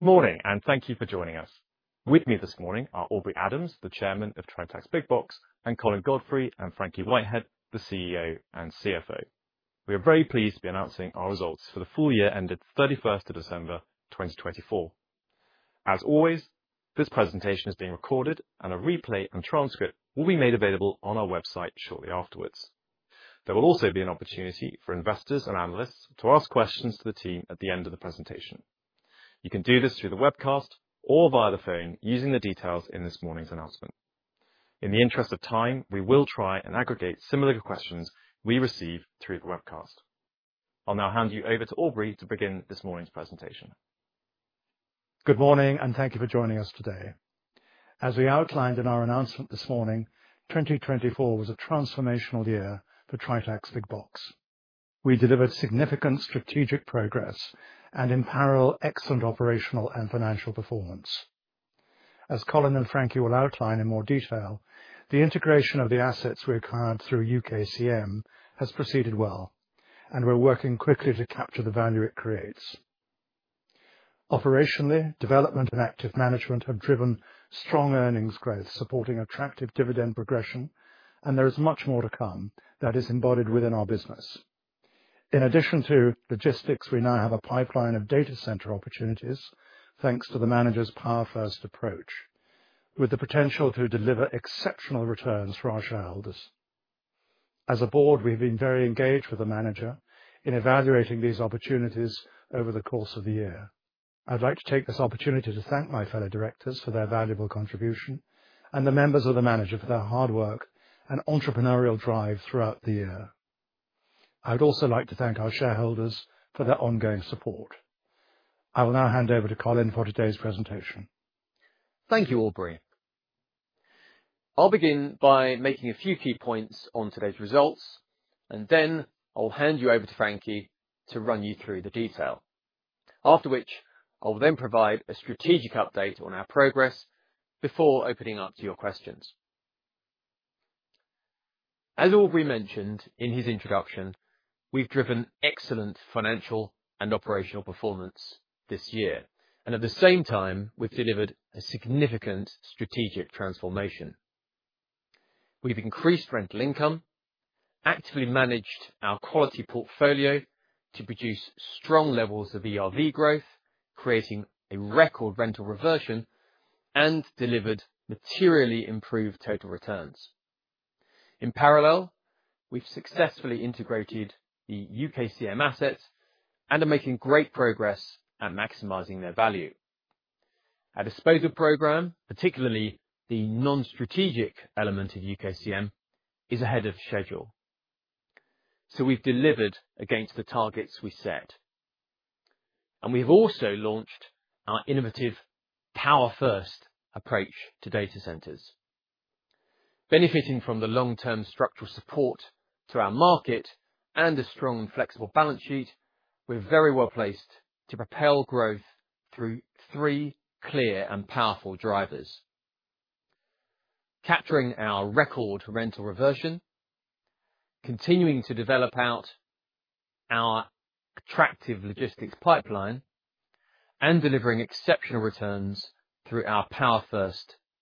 Good morning, and thank you for joining us. With me this morning are Aubrey Adams, the Chairman of Tritax Big Box, and Colin Godfrey and Frankie Whitehead, the CEO and CFO. We are very pleased to be announcing our results for the full year ended 31st of December 2024. As always, this presentation is being recorded, and a replay and transcript will be made available on our website shortly afterwards. There will also be an opportunity for investors and analysts to ask questions to the team at the end of the presentation. You can do this through the webcast or via the phone using the details in this morning's announcement. In the interest of time, we will try and aggregate similar questions we receive through the webcast. I'll now hand you over to Aubrey to begin this morning's presentation. Good morning, and thank you for joining us today. As we outlined in our announcement this morning, 2024 was a transformational year for Tritax Big Box. We delivered significant strategic progress and, in parallel, excellent operational and financial performance. As Colin and Frankie will outline in more detail, the integration of the assets we acquired through UKCM has proceeded well, and we're working quickly to capture the value it creates. Operationally, development and active management have driven strong earnings growth, supporting attractive dividend progression, and there is much more to come that is embodied within our business. In addition to logistics, we now have a pipeline data center opportunities, thanks to the manager's power-first approach, with the potential to deliver exceptional returns for our shareholders. As a board, we have been very engaged with the manager in evaluating these opportunities over the course of the year. I'd like to take this opportunity to thank my fellow directors for their valuable contribution and the members of the manager for their hard work and entrepreneurial drive throughout the year. I'd also like to thank our shareholders for their ongoing support. I will now hand over to Colin for today's presentation. Thank you, Aubrey. I'll begin by making a few key points on today's results, and then I'll hand you over to Frankie to run you through the detail, after which I'll then provide a strategic update on our progress before opening up to your questions. As Aubrey mentioned in his introduction, we've driven excellent financial and operational performance this year, and at the same time, we've delivered a significant strategic transformation. We've increased rental income, actively managed our quality portfolio to produce strong levels of ERV growth, creating a record rental reversion, and delivered materially improved total returns. In parallel, we've successfully integrated the UKCM assets and are making great progress at maximizing their value. Our disposal program, particularly the non-strategic element of UKCM, is ahead of schedule, so we've delivered against the targets we set, and we have also launched our innovative power-first approach to data centers. Benefiting from the long-term structural support to our market and a strong and flexible balance sheet, we're very well placed to propel growth through three clear and powerful drivers: capturing our record rental reversion, continuing to develop out our attractive logistics pipeline, and delivering exceptional returns through our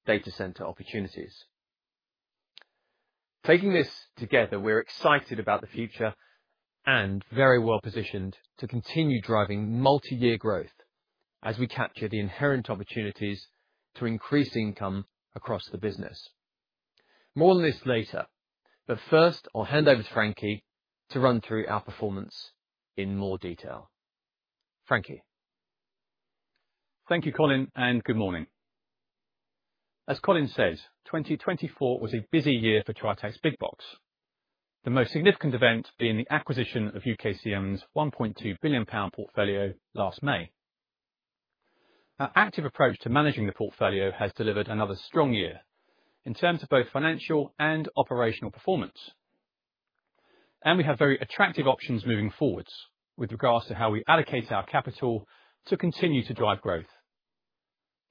data center opportunities. Taking this together, we're excited about the future and very well positioned to continue driving multi-year growth as we capture the inherent opportunities to increase income across the business. More on this later, but first, I'll hand over to Frankie to run through our performance in more detail. Frankie. Thank you Colin, and good morning. As Colin says, 2024 was a busy year for Tritax Big box, the most significant event being the acquisition of UKCM's £1.2 billion portfolio last May. Our active approach to managing the portfolio has delivered another strong year, in terms of both financial and operational performance. And we have very attractive options moving forwards, with regards to how we allocate our capital to continue to drive growth.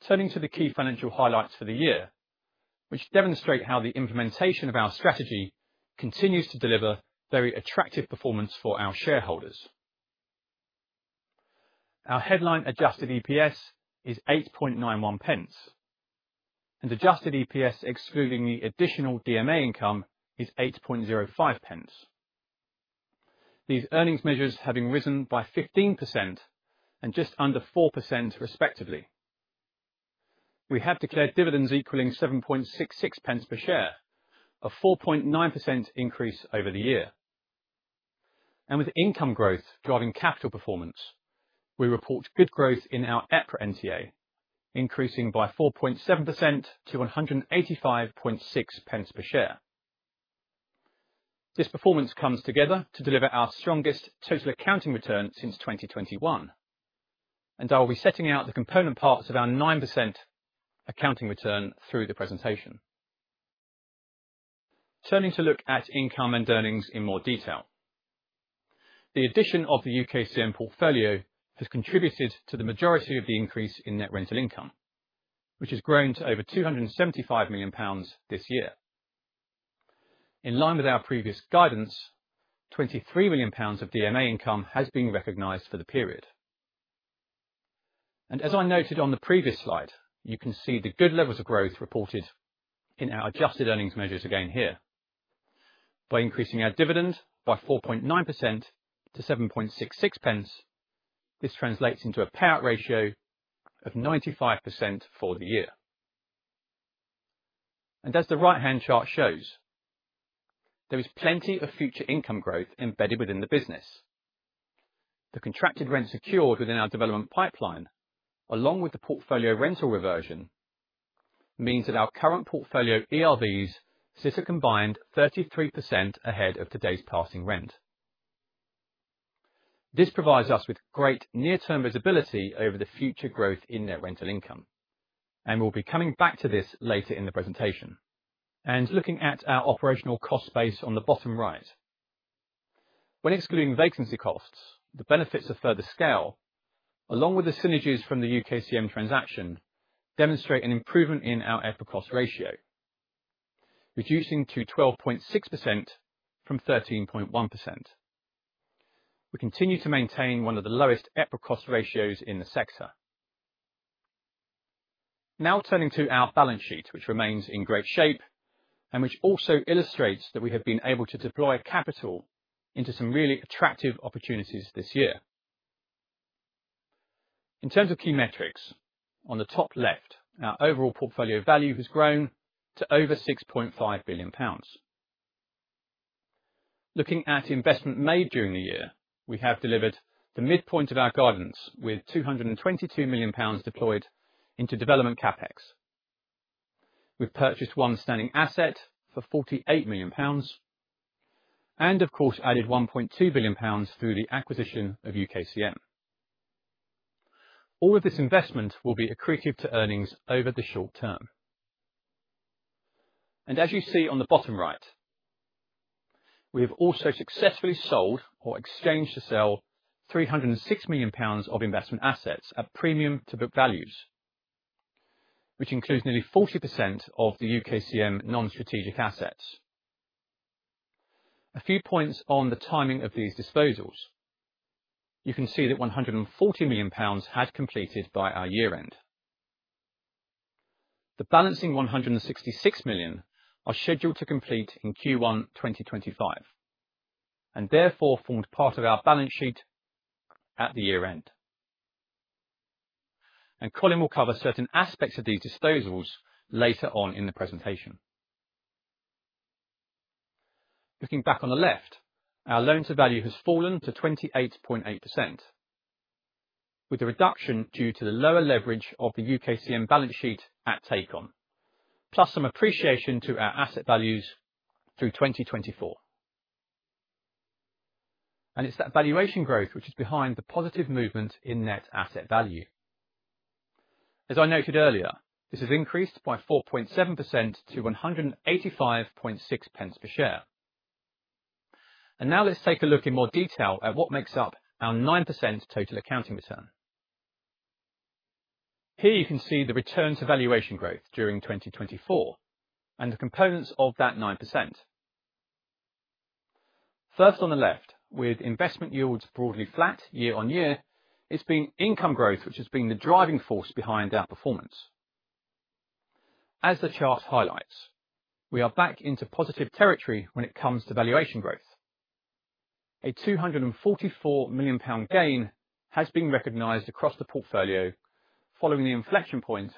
Turning to the key financial highlights for the year, which demonstrate how the implementation of our strategy continues to deliver very attractive performance for our shareholders. Our headline adjusted EPS is 8.91 pence, and adjusted EPS excluding the additional DMA income is 8.05 pence. These earnings measures have risen by 15% and just under 4% respectively. We have declared dividends equalling 7.66 pence per share, a 4.9% increase over the year. And with income growth driving capital performance, we report a 4.9% increase. With income growth driving capital performance, we report good growth in our EPRA NTA, increasing by 4.7% to 185.6 pence per share. This performance comes together to deliver our strongest total accounting return since 2021, and I'll be setting out the component parts of our 9% accounting return through the presentation. Turning to look at income and earnings in more detail, the addition of the UKCM portfolio has contributed to the majority of the increase in net rental income, which has grown to over £275 million this year. In line with our previous guidance, £23 million of DMA income has been recognized for the period. As I noted on the previous slide, you can see the good levels of growth reported in our adjusted earnings measures again here. By increasing our dividend by 4.9% to 7.66 pence, this translates into a payout ratio of 95% for the year. As the right-hand chart shows, there is plenty of future income growth embedded within the business. The contracted rent secured within our development pipeline, along with the portfolio rental reversion, means that our current portfolio ERVs sit a combined 33% ahead of today's passing rent. This provides us with great near-term visibility over the future growth in net rental income, and we'll be coming back to this later in the presentation. Looking at our operational cost base on the bottom right, when excluding vacancy costs, the benefits of further scale, along with the synergies from the UKCM transaction, demonstrate an improvement in our EPRA cost ratio, reducing to 12.6% from 13.1%. We continue to maintain one of the lowest EPRA cost ratios in the sector. Now turning to our balance sheet, which remains in great shape and which also illustrates that we have been able to deploy capital into some really attractive opportunities this year. In terms of key metrics, on the top left, our overall portfolio value has grown to over £6.5 billion. Looking at investment made during the year, we have delivered the midpoint of our guidance with £222 million deployed into development CapEx. We've purchased one standing asset for £48 million and, of course, added £1.2 billion through the acquisition of UKCM. All of this investment will be accretive to earnings over the short term. And as you see on the bottom right, we have also successfully sold or exchanged to sell £306 million of investment assets at premium-to-book values, which includes nearly 40% of the UKCM non-strategic assets. A few points on the timing of these disposals. You can see that £140 million had completed by our year-end. The balancing £166 million are scheduled to complete in Q1 2025 and therefore formed part of our balance sheet at the year-end. Colin will cover certain aspects of these disposals later on in the presentation. Looking back on the left, our loan-to-value has fallen to 28.8%, with a reduction due to the lower leverage of the UKCM balance sheet at take-on, plus some appreciation to our asset values through 2024. It's that valuation growth which is behind the positive movement in net asset value. As I noted earlier, this has increased by 4.7% to 185.6 pence per share. Now let's take a look in more detail at what makes up our 9% total accounting return. Here you can see the return-to-valuation growth during 2024 and the components of that 9%. First on the left, with investment yields broadly flat year on year, it's been income growth which has been the driving force behind our performance. As the chart highlights, we are back into positive territory when it comes to valuation growth. A £244 million gain has been recognized across the portfolio following the inflection point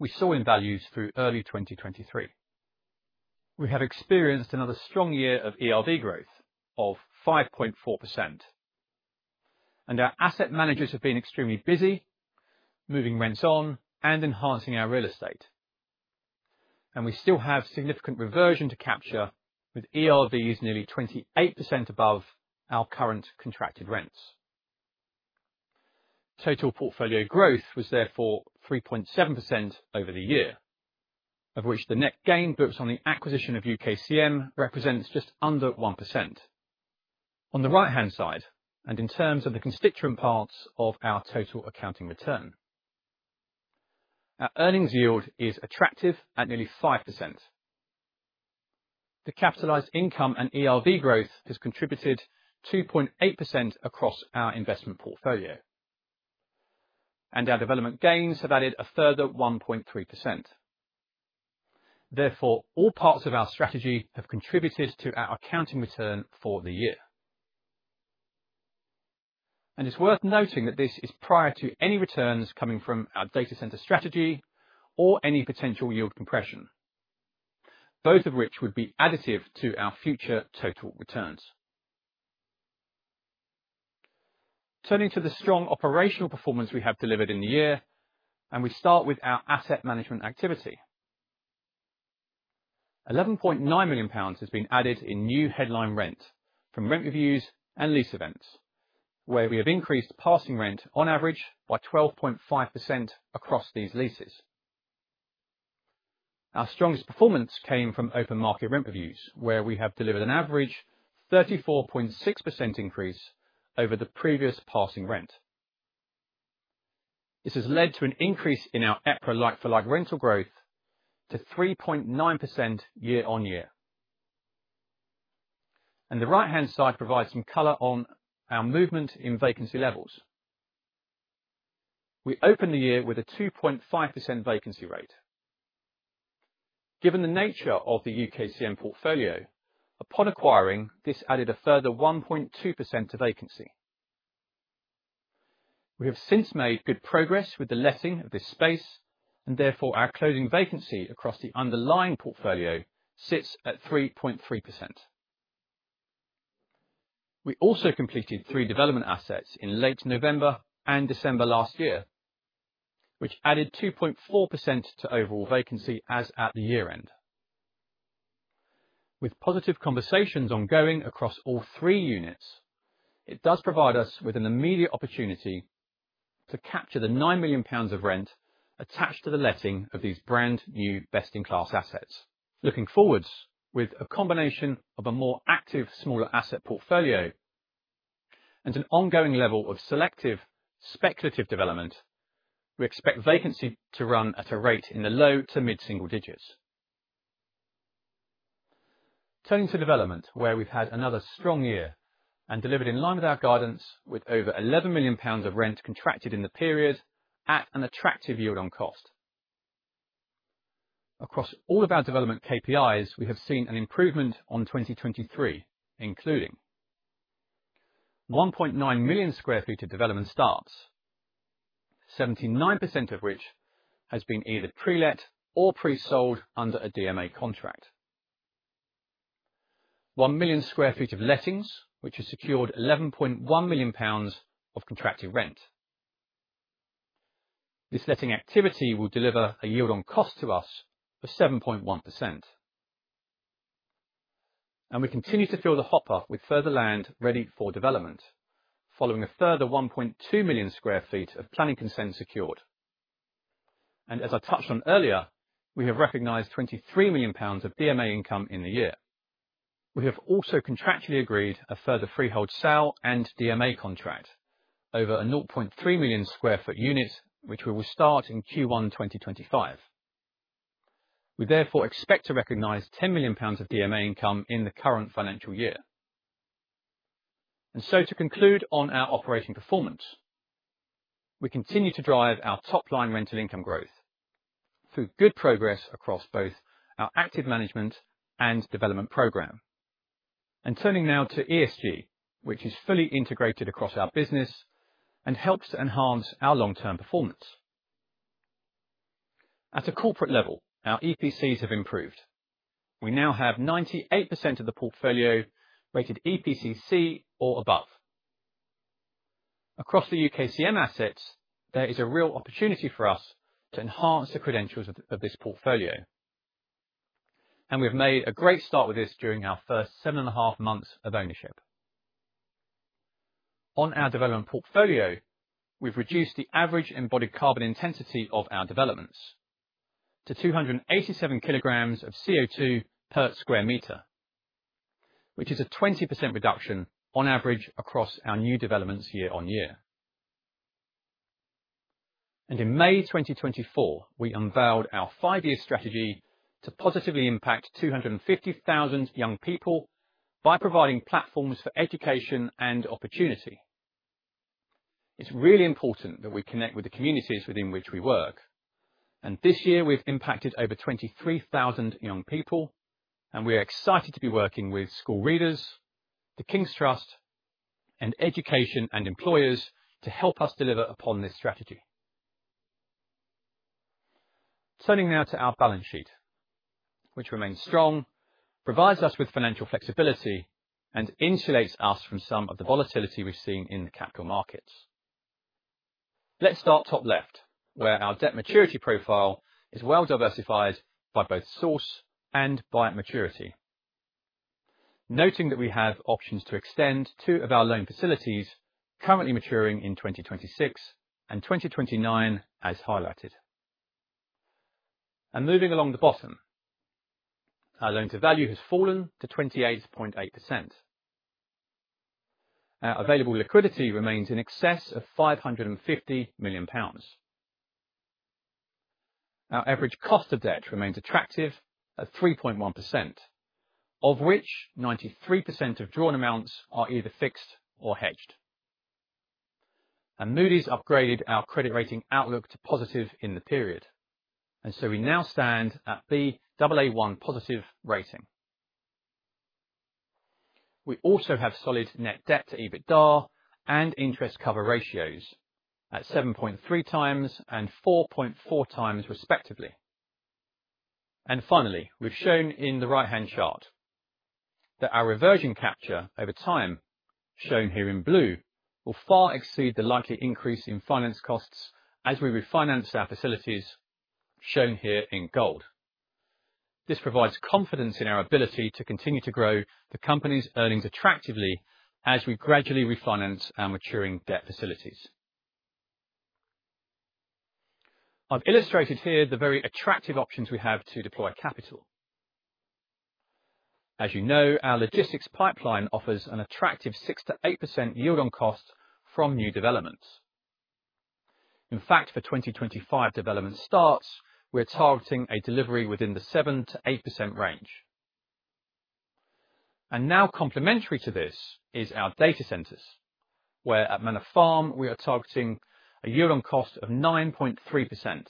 we saw in values through early 2023. We have experienced another strong year of ERV growth of 5.4%, and our asset managers have been extremely busy moving rents on and enhancing our real estate. And we still have significant reversion to capture with ERVs nearly 28% above our current contracted rents. Total portfolio growth was therefore 3.7% over the year, of which the net gain books on the acquisition of UKCM represents just under 1%. On the right-hand side, and in terms of the constituent parts of our total accounting return, our earnings yield is attractive at nearly 5%. The capitalized income and ERV growth has contributed 2.8% across our investment portfolio, and our development gains have added a further 1.3%. Therefore, all parts of our strategy have contributed to our accounting return for the year, and it's worth noting that this is prior to any returns coming from data center strategy or any potential yield compression, both of which would be additive to our future total returns. Turning to the strong operational performance we have delivered in the year, we start with our asset management activity. £11.9 million has been added in new headline rent from rent reviews and lease events, where we have increased passing rent on average by 12.5% across these leases. Our strongest performance came from open market rent reviews, where we have delivered an average 34.6% increase over the previous passing rent. This has led to an increase in our EPRA like-for-like rental growth to 3.9% year on year. And the right-hand side provides some color on our movement in vacancy levels. We opened the year with a 2.5% vacancy rate. Given the nature of the UKCM portfolio, upon acquiring, this added a further 1.2% to vacancy. We have since made good progress with the letting of this space, and therefore our closing vacancy across the underlying portfolio sits at 3.3%. We also completed three development assets in late November and December last year, which added 2.4% to overall vacancy as at the year-end. With positive conversations ongoing across all three units, it does provide us with an immediate opportunity to capture the £9 million of rent attached to the letting of these brand new best-in-class assets. Looking forward, with a combination of a more active smaller asset portfolio and an ongoing level of selective speculative development, we expect vacancy to run at a rate in the low to mid-single digits. Turning to development, where we've had another strong year and delivered in line with our guidance, with over £11 million of rent contracted in the period at an attractive yield on cost. Across all of our development KPIs, we have seen an improvement on 2023, including 1.9 million sq ft of development starts, 79% of which has been either pre-let or pre-sold under a DMA contract. 1 million sq ft of lettings, which has secured £11.1 million of contracted rent. This letting activity will deliver a yield on cost to us of 7.1%, and we continue to fill the hop-up with further land ready for development, following a further 1.2 million sq ft of planning consent secured, and as I touched on earlier, we have recognized £23 million of DMA income in the year. We have also contractually agreed a further freehold sale and DMA contract over a 0.3 million sq ft unit, which we will start in Q1 2025. We therefore expect to recognize £10 million of DMA income in the current financial year, and so to conclude on our operating performance, we continue to drive our top-line rental income Growth through good progress across both our active management and development program, and turning now to ESG, which is fully integrated across our business and helps to enhance our long-term performance. At a corporate level, our EPCs have improved. We now have 98% of the portfolio rated EPC C or above. Across the UKCM assets, there is a real opportunity for us to enhance the credentials of this portfolio. We've made a great start with this during our first seven and a half months of ownership. On our development portfolio, we've reduced the average embodied carbon intensity of our developments to 287 kilograms of CO2 per square meter, which is a 20% reduction on average across our new developments year on year. In May 2024, we unveiled our five-year strategy to positively impact 250,000 young people by providing platforms for education and opportunity. It's really important that we connect with the communities within which we work. And this year, we've impacted over 23,000 young People, and we are excited to be working with Schoolreaders, The King's Trust, and Education and Employers to help us deliver upon this strategy. Turning now to our balance sheet, which remains strong, provides us with financial flexibility and insulates us from some of the volatility we've seen in the capital markets. Let's start top left, where our debt maturity profile is well diversified by both source and by maturity. Noting that we have options to extend two of our loan facilities currently maturing in 2026 and 2029, as highlighted. And moving along the bottom, our loan-to-value has fallen to 28.8%. Our available liquidity remains in excess of £550 million. Our average cost of debt remains attractive at 3.1%, of which 93% of drawn amounts are either fixed or hedged. Moody's upgraded our credit rating outlook to positive in the period, and so we now stand at the AA1 positive rating. We also have solid net debt to EBITDA and interest cover ratios at 7.3 times and 4.4 times, respectively. Finally, we've shown in the right-hand chart that our reversion capture over time, shown here in blue, will far exceed the likely increase in finance costs as we refinance our facilities, shown here in gold. This provides confidence in our ability to continue to grow the company's earnings attractively as we gradually refinance our maturing debt facilities. I've illustrated here the very attractive options we have to deploy capital. As you know, our logistics pipeline offers an attractive 6%-8% yield on cost from new developments. In fact, for 2025 development starts, we're targeting a delivery within the 7%-8% range. Now complementary to data centers, where at manor Farm, we are targeting a yield on cost of 9.3%.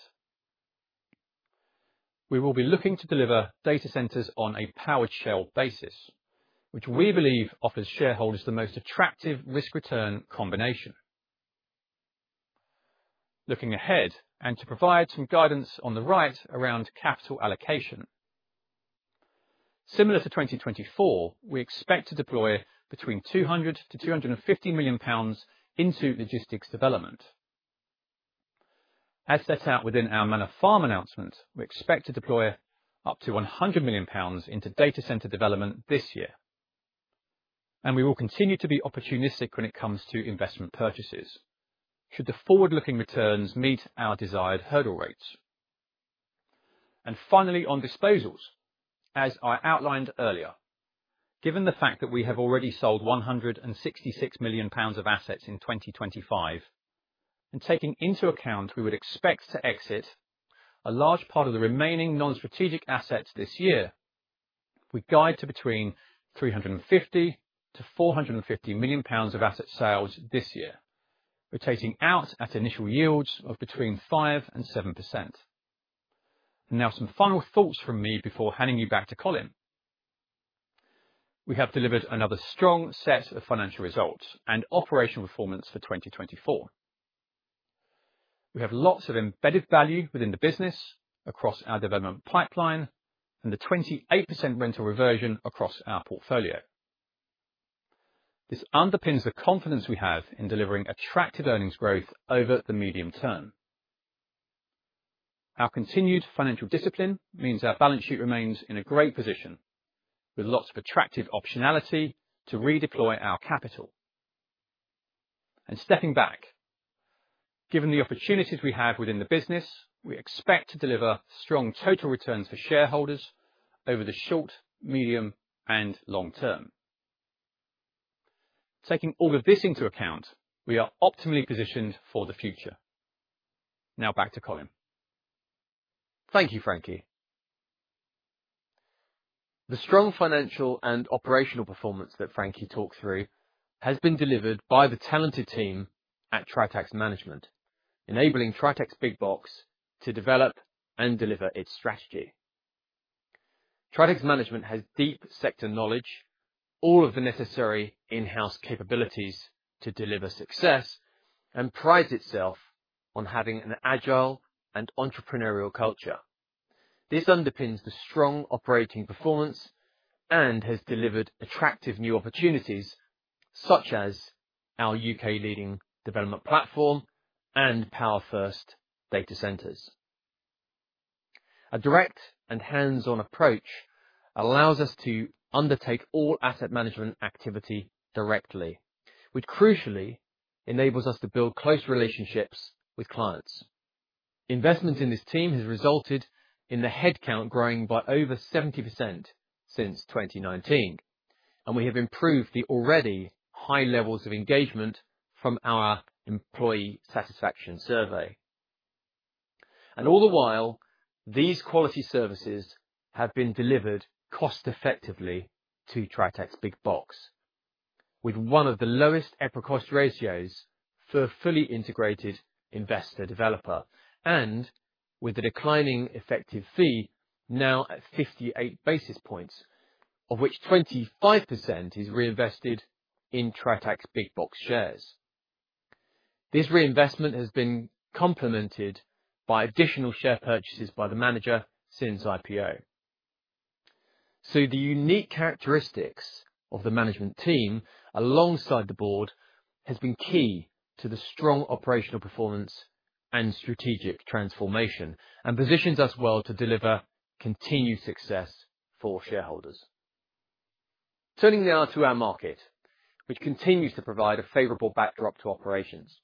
We will be data centers on a powered shell basis, which we believe offers shareholders the most attractive risk-return combination. Looking ahead and to provide some guidance regarding capital allocation, similar to 2024, we expect to deploy between £200 million to £250 million into logistics development. As set out within our Manor Farm announcement, we expect to deploy up to £100 million data center development this year. We will continue to be opportunistic when it comes to investment purchases should the forward-looking returns meet our desired hurdle rates. Finally, on disposals, as I outlined earlier, given the fact that we have already sold £166 million of assets in 2025, and taking into account we would expect to exit a large part of the remaining non-strategic assets this year, we guide to between £350 million to £450 million of asset sales this year, rotating out at initial yields of between 5% and 7%. Now some final thoughts from me before handing you back to Colin. We have delivered another strong set of financial results and operational performance for 2024. We have lots of embedded value within the business across our development pipeline and the 28% rental reversion across our portfolio. This underpins the confidence we have in delivering attractive earnings growth over the medium term. Our continued financial discipline means our balance sheet remains in a great position, with lots of attractive optionality to redeploy our capital. Stepping back, given the opportunities we have within the business, we expect to deliver strong total returns for shareholders over the short, medium, and long term. Taking all of this into account, we are optimally positioned for the future. Now back to Colin. Thank you, Frankie. The strong financial and operational performance that Frankie talked through has been delivered by the talented team at Tritax Management, enabling Tritax Big Box to develop and deliver its strategy. Tritax Management has deep sector knowledge, all of the necessary in-house capabilities to deliver success, and prides itself on having an agile and entrepreneurial culture. This underpins the strong operating performance and has delivered attractive new opportunities, such as our UK-leading development data centers. a direct and hands-on approach allows us to undertake all asset management activity directly, which crucially enables us to build close relationships with clients. Investment in this team has resulted in the headcount growing by over 70% since 2019, and we have improved the already high levels of engagement from our employee satisfaction survey. And all the while, these quality services have been delivered cost-effectively to Tritax Big Box, with one of the lowest EPRA cost ratios for a fully integrated investor developer, and with the declining effective fee now at 58 basis points, of which 25% is reinvested in Tritax Big Box shares. This reinvestment has been complemented by additional share purchases by the manager since IPO. So the unique characteristics of the management team alongside the board have been key to the strong operational performance and strategic transformation, and positions us well to deliver continued success for shareholders. Turning now to our market, which continues to provide a favorable backdrop to operations.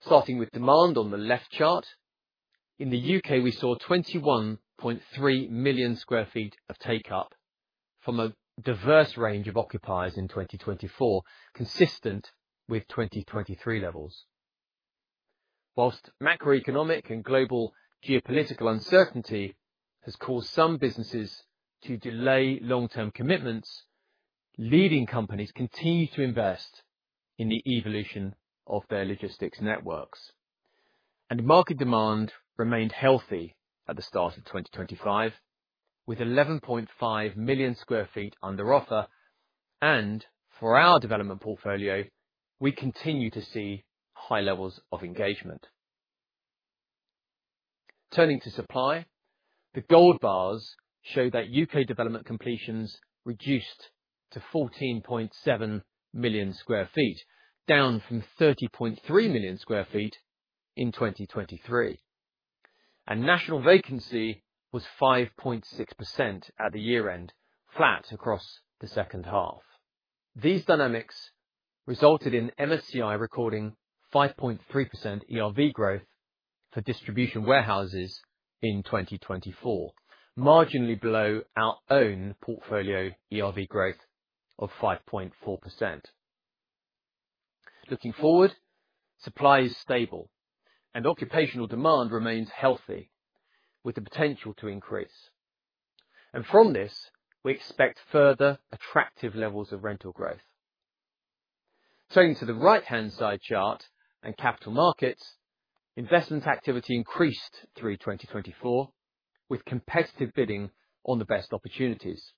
Starting with demand on the left chart, in the U.K., we saw 21.3 million sq ft of take-up from a diverse range of occupiers in 2024, consistent with 2023 levels. While macroeconomic and global geopolitical uncertainty has caused some businesses to delay long-term commitments, leading companies continue to invest in the evolution of their logistics networks, and market demand remained healthy at the start of 2025, with 11.5 million sq ft under offer, and for our development portfolio, we continue to see high levels of engagement. Turning to supply, the gold bars show that U.K. development completions reduced to 14.7 million sq ft, down from 30.3 million sq ft in 2023, and national vacancy was 5.6% at the year-end, flat across the second half. These dynamics resulted in MSCI recording 5.3% ERV growth for distribution warehouses in 2024, marginally below our own portfolio ERV growth of 5.4%. Looking forward, supply is stable, and occupational demand remains healthy, with the potential to increase, and from this, we expect further attractive levels of rental growth. Turning to the right-hand side chart and capital markets, investment activity increased through 2024, with competitive bidding on the best opportunities,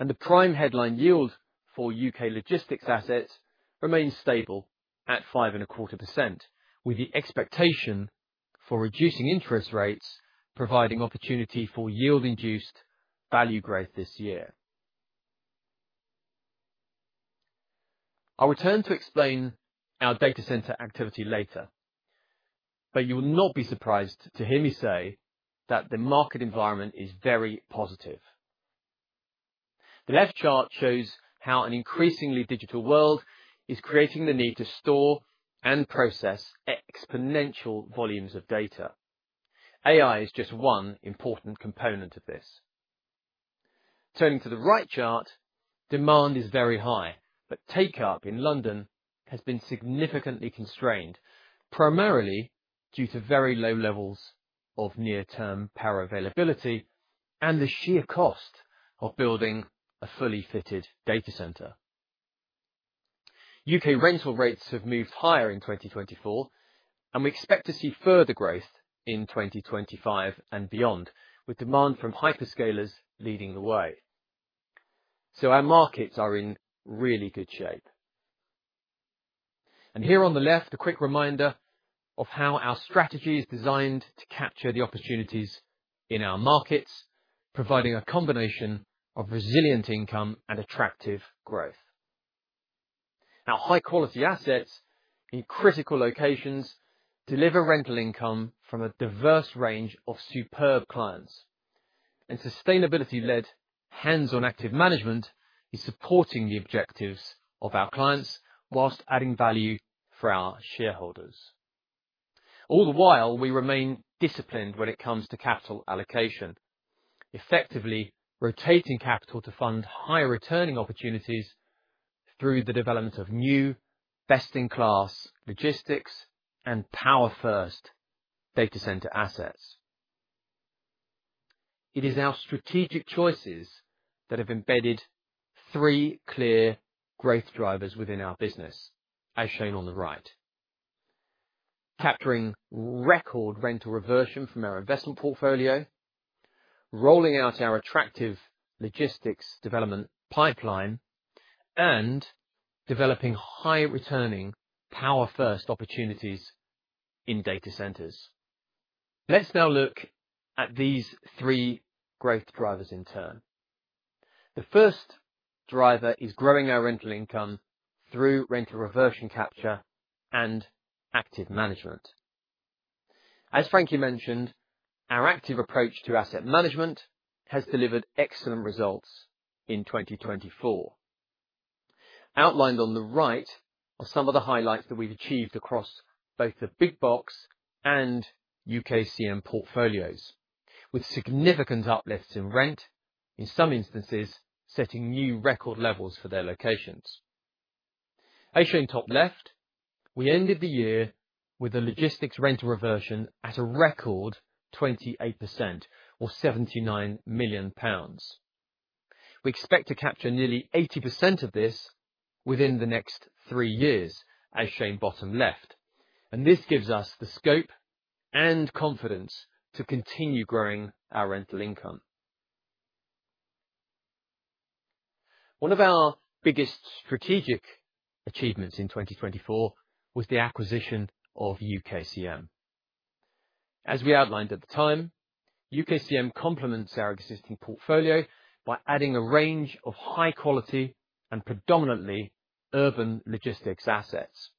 and the prime headline yield for UK logistics assets remains stable at 5.25%, with the expectation for reducing interest rates providing opportunity for yield-induced value growth this year. I'll return to explain data center activity later, but you will not be surprised to hear me say that the market environment is very positive. The left chart shows how an increasingly digital world is creating the need to store and process exponential volumes of data. AI is just one important component of this. Turning to the right chart, demand is very high, but take-up in London has been significantly constrained, primarily due to very low levels of near-term power availability and the sheer cost of building a fully data center. u.k. rental rates have moved higher in 2024, and we expect to see further growth in 2025 and beyond, with demand from hyperscalers leading the way. So our markets are in really good shape. And here on the left, a quick reminder of how our strategy is designed to capture the opportunities in our markets, providing a combination of resilient income and attractive growth. Our high-quality assets in critical locations deliver rental income from a diverse range of superb clients, and sustainability-led hands-on active management is supporting the objectives of our clients whilst adding value for our shareholders. All the while, we remain disciplined when it comes to capital allocation, effectively rotating capital to fund higher returning opportunities through the development of new best-in-class logistics and data center assets. It is our strategic choices that have embedded three clear growth drivers within our business, as shown on the right: capturing record rental reversion from our investment portfolio, rolling out our attractive logistics development pipeline, and developing high-returning data centers. let's now look at these three growth drivers in turn. The first driver is growing our rental income through rental reversion capture and active management. As Frankie mentioned, our active approach to asset management has delivered excellent results in 2024. Outlined on the right are some of the highlights that we've achieved across both the Big Box and UKCM portfolios, with significant uplifts in rent, in some instances setting new record levels for their locations. As shown top left, we ended the year with a logistics rental reversion at a record 28%, or £79 million. We expect to capture nearly 80% of this within the next three years, as shown bottom left, and this gives us the scope and confidence to continue growing our rental income. One of our biggest strategic achievements in 2024 was the acquisition of UKCM. As we outlined at the time, UKCM complements our existing portfolio by adding a range of high-quality and predominantly urban logistics assets.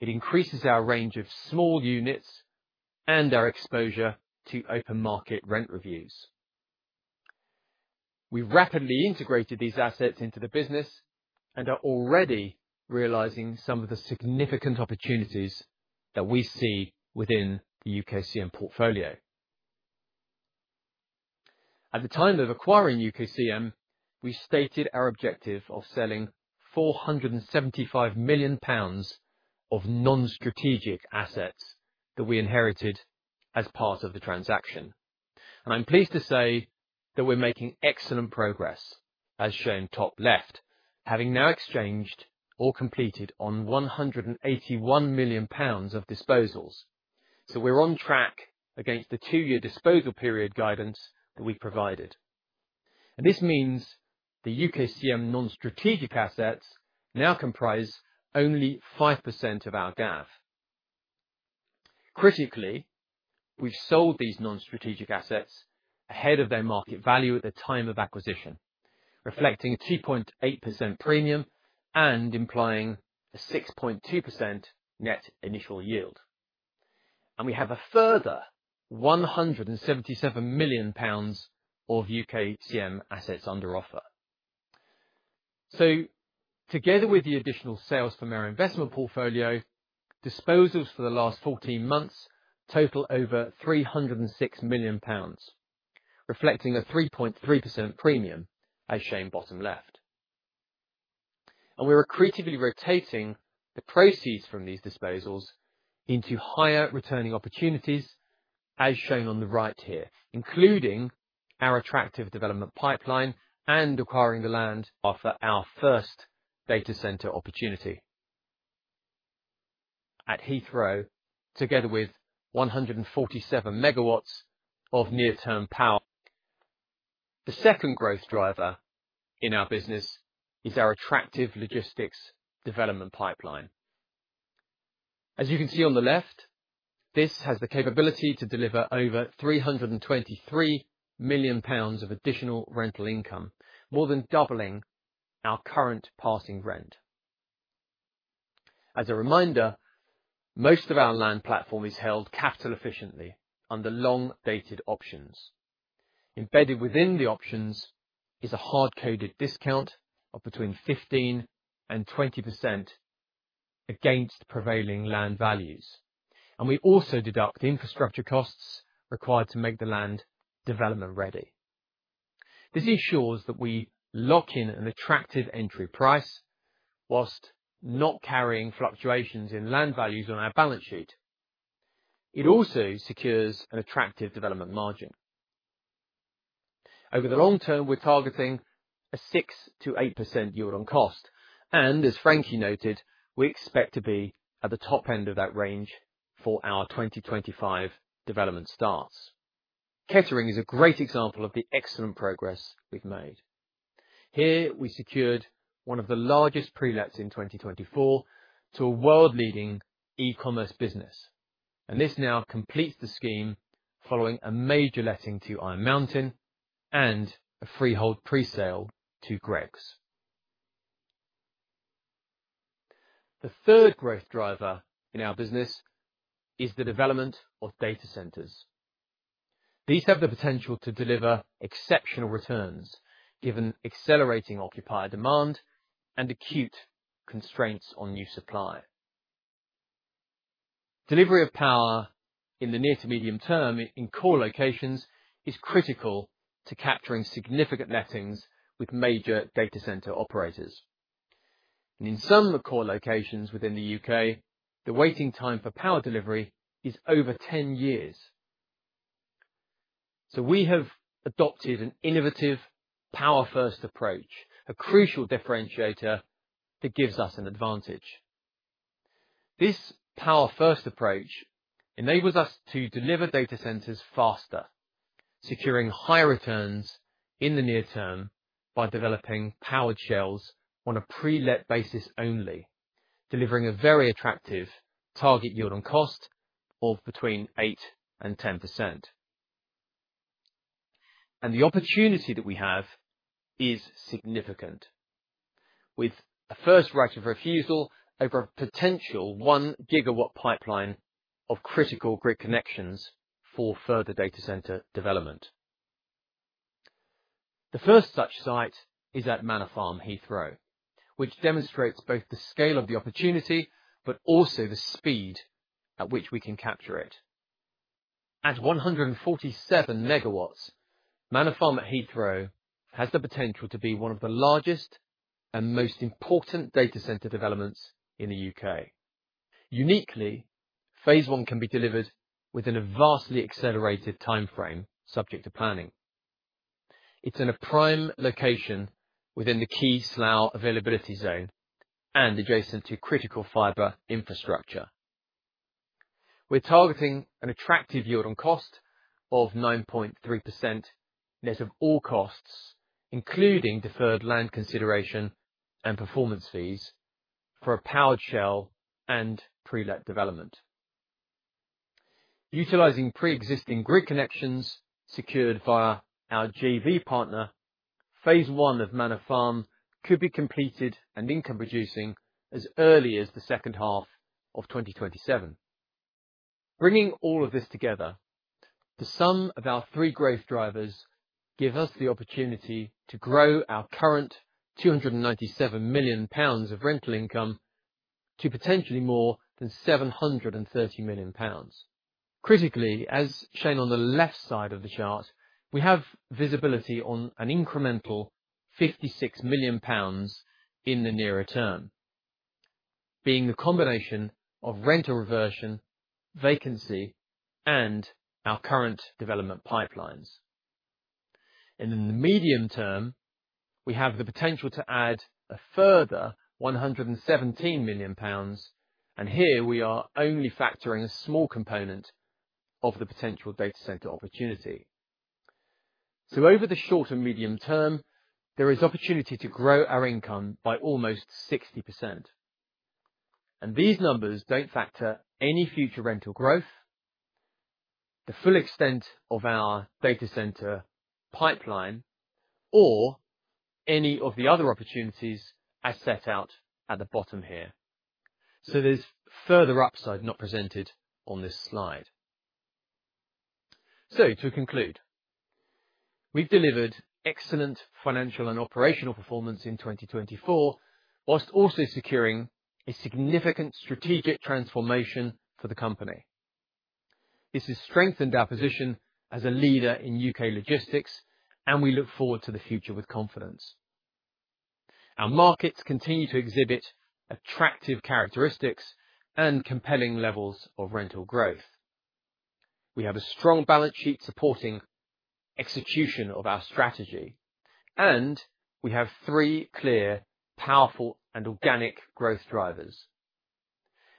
It increases our range of small units and our exposure to open market rent reviews. We've rapidly integrated these assets into the business and are already realizing some of the significant opportunities that we see within the UKCM portfolio. At the time of acquiring UKCM, we stated our objective of selling £475 million of non-strategic assets that we inherited as part of the transaction. I'm pleased to say that we're making excellent progress, as shown top left, having now exchanged or completed on £181 million of disposals. We're on track against the two-year disposal period guidance that we provided. This means the UKCM non-strategic assets now comprise only 5% of our GAV. Critically, we've sold these non-strategic assets ahead of their market value at the time of acquisition, reflecting a 2.8% premium and implying a 6.2% net initial yield. We have a further £177 million of UKCM assets under offer. Together with the additional sales from our investment portfolio, disposals for the last 14 months total over £306 million, reflecting a 3.3% premium, as shown bottom left. We're accretively rotating the proceeds from these disposals into higher returning opportunities, as shown on the right here, including our attractive development pipeline and acquiring the land. our first data center opportunity at heathrow, together with 147 mw of near-term power. the second growth driver in our business is our attractive logistics development pipeline. as you can see on the left, this has the capability to deliver over 323 million of additional rental income, more than doubling our current passing rent. As a reminder, most of our land platform is held capital-efficiently under long-dated options. Embedded within the options is a hard-coded discount of between 15% and 20% against prevailing land values. And we also deduct infrastructure costs required to make the land development ready. This ensures that we lock in an attractive entry price whilst not carrying fluctuations in land values on our balance sheet. It also secures an attractive development margin. Over the long term, we're targeting a 6% to 8% yield on cost. As Frankie noted, we expect to be at the top end of that range for our 2025 development starts. Kettering is a great example of the excellent progress we've made. Here, we secured one of the largest pre-lets in 2024 to a world-leading e-commerce business. This now completes the scheme following a major letting to Iron Mountain and a freehold pre-sale to Greggs. The third growth driver in our business is data centers. these have the potential to deliver exceptional returns, given accelerating occupier demand and acute constraints on new supply. Delivery of power in the near to medium term in core locations is critical to capturing significant lettings with data center operators. In some core locations within the U.K., the waiting time for power delivery is over 10 years. We have adopted an innovative Power-First approach, a crucial differentiator that gives us an advantage. This Power-First approach enables data centers faster, securing higher returns in the near term by developing powered shells on a pre-let basis only, delivering a very attractive target yield on cost of between 8% and 10%. The opportunity that we have is significant, with a first right of refusal over a potential one-gigawatt pipeline of critical grid connections for data center development. The first such site is at Manor Farm Heathrow, which demonstrates both the scale of the opportunity but also the speed at which we can capture it. At 147 MW, Manor Farm at Heathrow has the potential to be one of the largest and most data center developments in the UK. Uniquely, phase one can be delivered within a vastly accelerated timeframe, subject to planning. It's in a prime location within the Slough Availability Zone and adjacent to critical fiber infrastructure. We're targeting an attractive yield on cost of 9.3% net of all costs, including deferred land consideration and performance fees for a Powered Shell and pre-let development. Utilizing pre-existing grid connections secured via our JV partner, phase one of Manor Farm could be completed and income-producing as early as the second half of 2027. Bringing all of this together, the sum of our three growth drivers gives us the opportunity to grow our current £297 million of rental income to potentially more than £ 730 million. Critically, as shown on the left side of the chart, we have visibility on an incremental £56 million in the nearer term, being the combination of rental reversion, vacancy, and our current development pipelines. And in the medium term, we have the potential to add a further £117 million, and here we are only factoring a small component of the data center opportunity. So over the short and medium term, there is opportunity to grow our income by almost 60%. And these numbers don't factor any future rental growth, the full extent of data center pipeline, or any of the other opportunities as set out at the bottom here. So there's further upside not presented on this slide. So to conclude, we've delivered excellent financial and operational performance in 2024, whilst also securing a significant strategic transformation for the company. This has strengthened our position as a leader in U.K. logistics, and we look forward to the future with confidence. Our markets continue to exhibit attractive characteristics and compelling levels of rental growth. We have a strong balance sheet supporting execution of our strategy, and we have three clear, powerful, and organic growth drivers.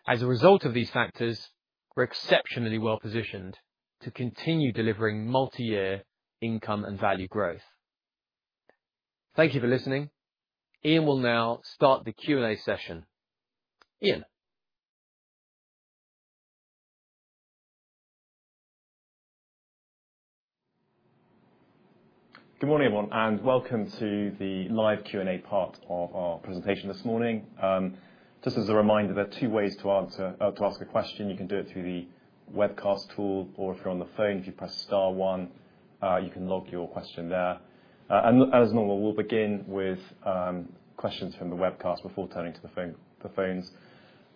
As a result of these factors, we're exceptionally well positioned to continue delivering multi-year income and value growth. Thank you for listening. Ian will now start the Q&A session. Ian. Good morning, everyone, and welcome to the live Q&A part of our presentation this morning. Just as a reminder, there are two ways to ask a question. You can do it through the webcast tool, or if you're on the phone, if you press star one, you can log your question there. And as normal, we'll begin with questions from the webcast before turning to the phones.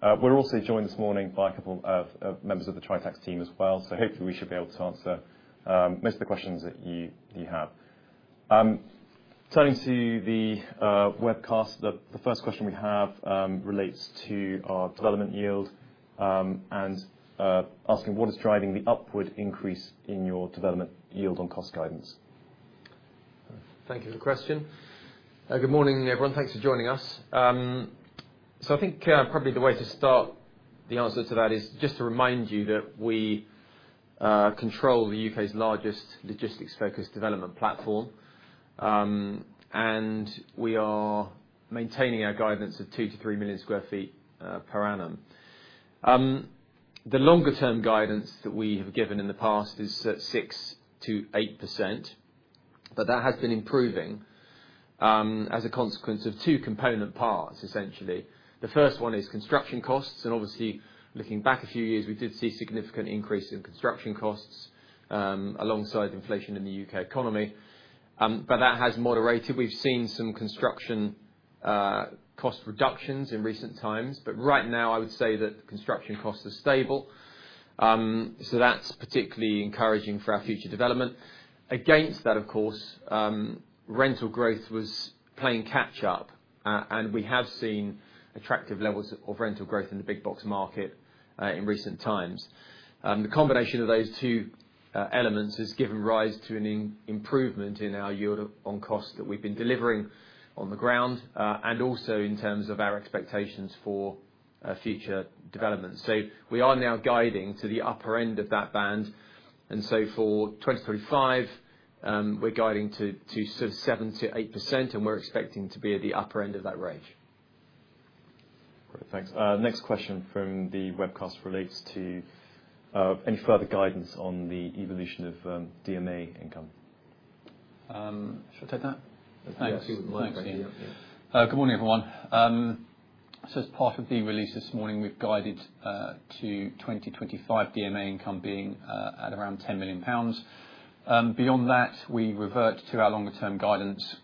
We're also joined this morning by a couple of members of the Tritax team as well, so hopefully we should be able to answer most of the questions that you have. Turning to the webcast, the first question we have relates to our development yield and asking what is driving the upward increase in your development yield on cost guidance. Thank you for the question. Good morning, everyone. Thanks for joining us. So I think probably the way to start the answer to that is just to remind you that we control the U.K.'s largest logistics-focused development platform, and we are maintaining our guidance of 2-3 million sq ft per annum. The longer-term guidance that we have given in the past is 6%-8%, but that has been improving as a consequence of two component parts, essentially. The first one is construction costs, and obviously, looking back a few years, we did see a significant increase in construction costs alongside inflation in the U.K. economy, but that has moderated. We've seen some construction cost reductions in recent times, but right now, I would say that construction costs are stable, so that's particularly encouraging for our future development. Against that, of course, rental growth was playing catch-up, and we have seen attractive levels of rental growth in the big box market in recent times. The combination of those two elements has given rise to an improvement in our yield on costs that we've been delivering on the ground and also in terms of our expectations for future development. So we are now guiding to the upper end of that band, and so for 2025, we're guiding to sort of 7%-8%, and we're expecting to be at the upper end of that range. Great. Thanks. Next question from the webcast relates to any further guidance on the evolution of DMA income. Should I take that? Thanks. Good morning, everyone. As part of the release this morning, we've guided to 2025 DMA income being at around £10 million. Beyond that, we revert to our longer-term guidance,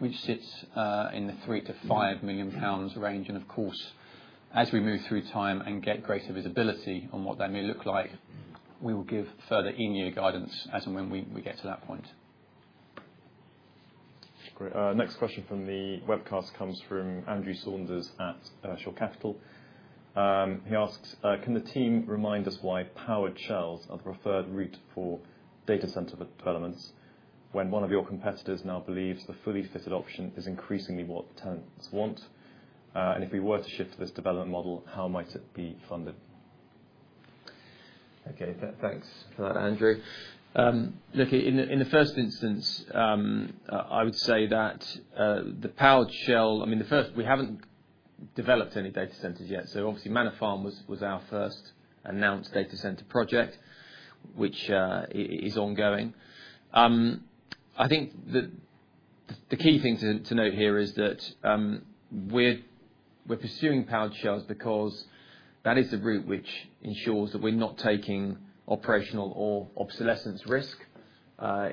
which sits in the £3 million-£5 million range. And of course, as we move through time and get greater visibility on what that may look like, we will give further in-year guidance as and when we get to that point. Great. Next question from the webcast comes from Andrew Saunders at Shore Capital. He asks, "Can the team remind us why powered shells are the preferred route data center developments when one of your competitors now believes the fully fitted option is increasingly what tenants want? And if we were to shift to this development model, how might it be funded?" Okay. Thanks for that, Andrew. Look, in the first instance, I would say that the Powered Shell, I mean, we data centers yet. so obviously, Manor Farm was our first data center project, which is ongoing. I think the key thing to note here is that we're pursuing Powered Shells because that is the route which ensures that we're not taking operational or obsolescence risk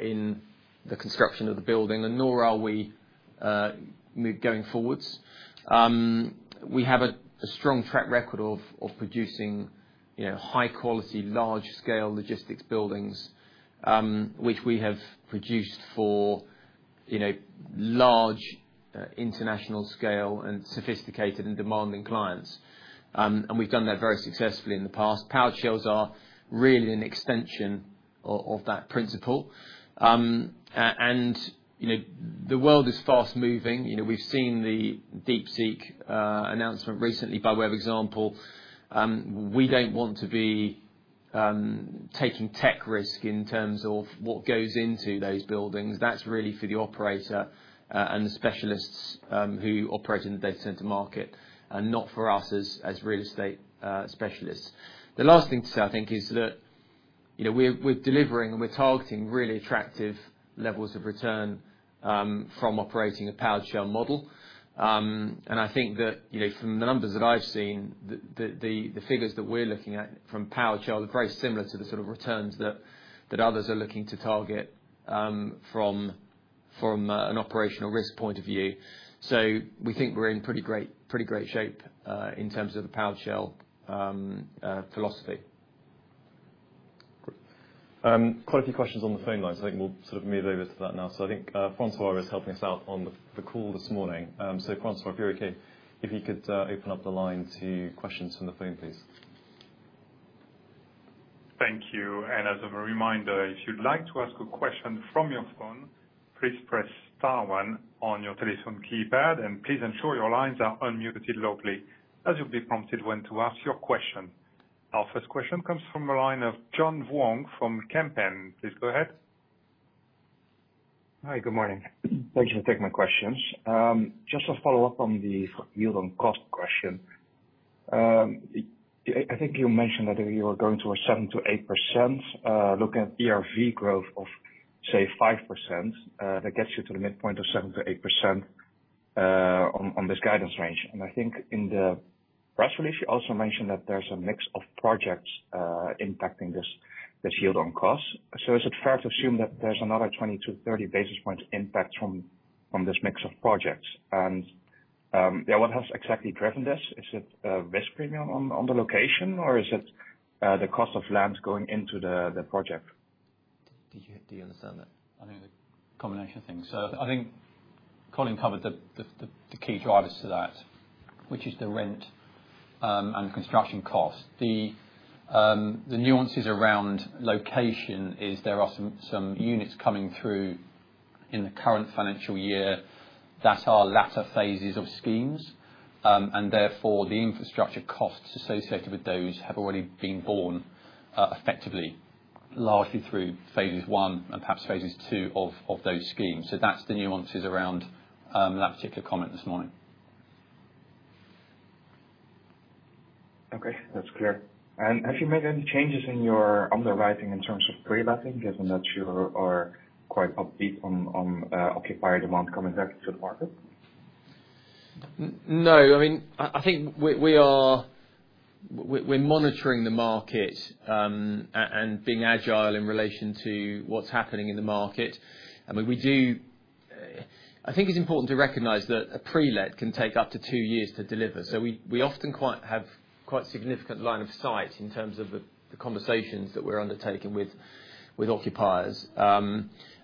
in the construction of the building, and nor are we going forward. We have a strong track record of producing high-quality, large-scale logistics buildings, which we have produced for large international-scale and sophisticated and demanding clients. And we've done that very successfully in the past. Powered Shells are really an extension of that principle. And the world is fast-moving. We've seen the DeepSeek announcement recently by Web Example. We don't want to be taking tech risk in terms of what goes into those buildings. That's really for the operator and the specialists who operate in data center market, and not for us as real estate specialists. The last thing to say, I think, is that we're delivering and we're targeting really attractive levels of return from operating a powered shell model, and I think that from the numbers that I've seen, the figures that we're looking at from powered shells are very similar to the sort of returns that others are looking to target from an operational risk point of view, so we think we're in pretty great shape in terms of the powered shell philosophy. Quite a few questions on the phone lines. I think we'll sort of move over to that now, so I think Francois is helping us out on the call this morning. So Francois, if you're okay, if you could open up the line to questions from the phone, please. Thank you. And as a reminder, if you'd like to ask a question from your phone, please press star one on your telephone keypad, and please ensure your lines are unmuted locally as you'll be prompted when to ask your question. Our first question comes from a line of John Vuong from Kempen. Please go ahead. Hi. Good morning. Thank you for taking my questions. Just to follow up on the yield on cost question, I think you mentioned that you were going towards 7%-8%. Looking at ERV growth of, say, 5%, that gets you to the midpoint of 7%-8% on this guidance range. And I think in the press release, you also mentioned that there's a mix of projects impacting this yield on costs. Is it fair to assume that there's another 20 to 30 basis points impact from this mix of projects? And what has exactly driven this? Is it risk premium on the location, or is it the cost of land going into the project? Do you understand that? I think the combination of things. I think Colin covered the key drivers to that, which is the rent and construction costs. The nuances around location is there are some units coming through in the current financial year that are latter phases of schemes, and therefore the infrastructure costs associated with those have already been borne effectively, largely through phases one and perhaps phases two of those schemes. That's the nuances around that particular comment this morning. Okay. That's clear. Have you made any changes in your underwriting in terms of pre-letting, given that you are quite upbeat on occupier demand coming back to the market? No. I mean, I think we're monitoring the market and being agile in relation to what's happening in the market. I think it's important to recognize that a pre-let can take up to two years to deliver. So we often have quite significant line of sight in terms of the conversations that we're undertaking with occupiers,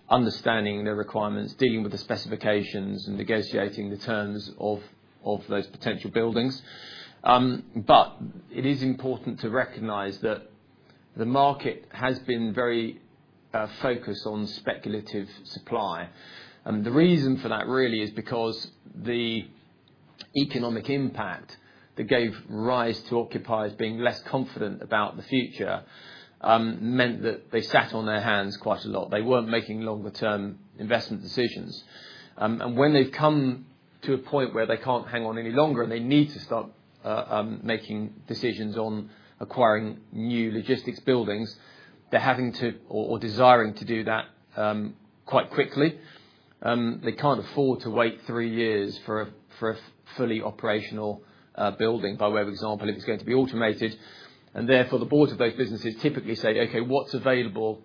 understanding their requirements, dealing with the specifications, and negotiating the terms of those potential buildings. It is important to recognize that the market has been very focused on speculative supply. The reason for that really is because the economic impact that gave rise to occupiers being less confident about the future meant that they sat on their hands quite a lot. They weren't making longer-term investment decisions. And when they've come to a point where they can't hang on any longer and they need to start making decisions on acquiring new logistics buildings, they're having to or desiring to do that quite quickly. They can't afford to wait three years for a fully operational building by way of example if it's going to be automated. And therefore, the boards of those businesses typically say, "Okay, what's available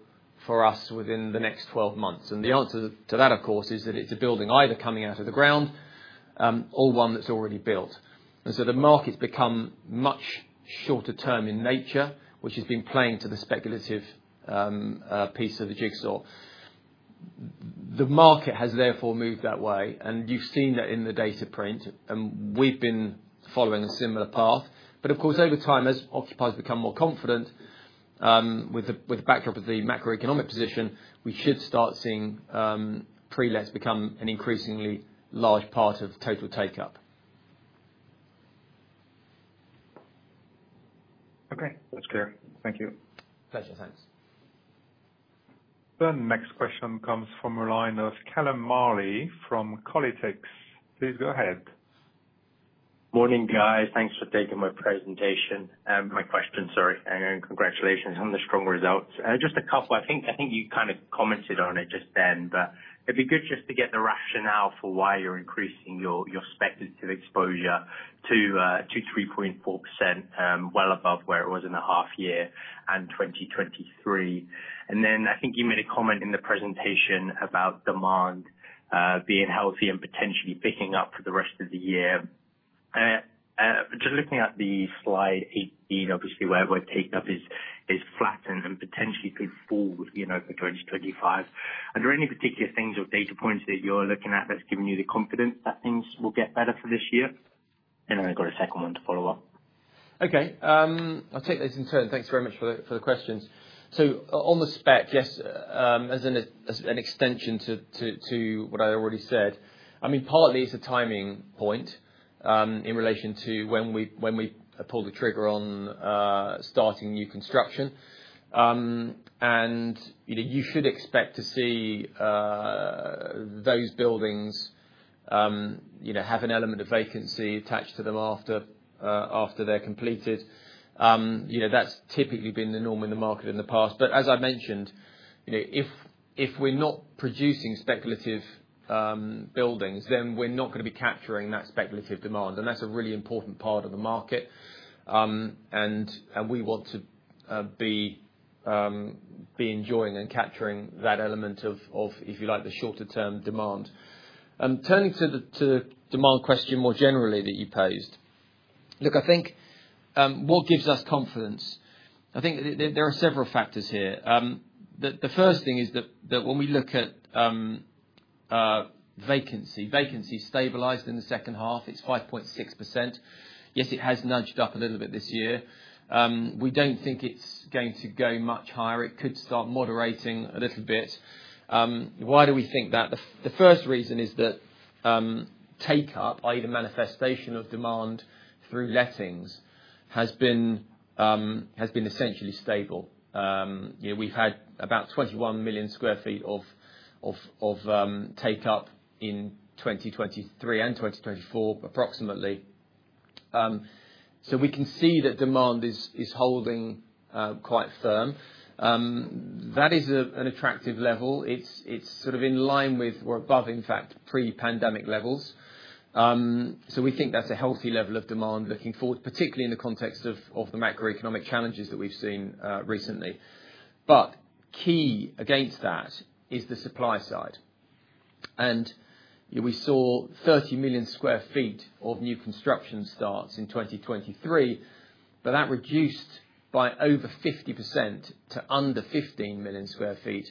for us within the next 12 months?" And the answer to that, of course, is that it's a building either coming out of the ground or one that's already built. And so the market's become much shorter-term in nature, which has been playing to the speculative piece of the jigsaw. The market has therefore moved that way, and you've seen that in the data print, and we've been following a similar path. But of course, over time, as occupiers become more confident with the backdrop of the macroeconomic position, we should start seeing pre-lets become an increasingly large part of total take-up. Okay. That's clear. Thank you. Pleasure. Thanks. The next question comes from a line of Callum Mowley from Colliers. Please go ahead. Morning, guys. Thanks for taking my presentation and my questions. Sorry. And congratulations on the strong results. Just a couple. I think you kind of commented on it just then, but it'd be good just to get the rationale for why you're increasing your speculative exposure to 3.4%, well above where it was in the half year and 2023. And then I think you made a comment in the presentation about demand being healthy and potentially picking up for the rest of the year. Just looking at the slide 18, obviously, where take-up is flattened and potentially could fall for 2025. Are there any particular things or data points that you're looking at that's given you the confidence that things will get better for this year? And then I've got a second one to follow up. Okay. I'll take those in turn. Thanks very much for the questions. So on the spec, yes, as an extension to what I already said, I mean, partly it's a timing point in relation to when we pull the trigger on starting new construction. And you should expect to see those buildings have an element of vacancy attached to them after they're completed. That's typically been the norm in the market in the past. But as I mentioned, if we're not producing speculative buildings, then we're not going to be capturing that speculative demand. That's a really important part of the market. We want to be enjoying and capturing that element of, if you like, the shorter-term demand. Turning to the demand question more generally that you posed, look, I think what gives us confidence? I think there are several factors here. The first thing is that when we look at vacancy, vacancy stabilized in the second half, it's 5.6%. Yes, it has nudged up a little bit this year. We don't think it's going to go much higher. It could start moderating a little bit. Why do we think that? The first reason is that take-up, either manifestation of demand through lettings, has been essentially stable. We've had about 21 million sq ft of take-up in 2023 and 2024, approximately. So we can see that demand is holding quite firm. That is an attractive level. It's sort of in line with or above, in fact, pre-pandemic levels. So we think that's a healthy level of demand looking forward, particularly in the context of the macroeconomic challenges that we've seen recently. But key against that is the supply side. And we saw 30 million sq ft of new construction starts in 2023, but that reduced by over 50% to under 15 million sq ft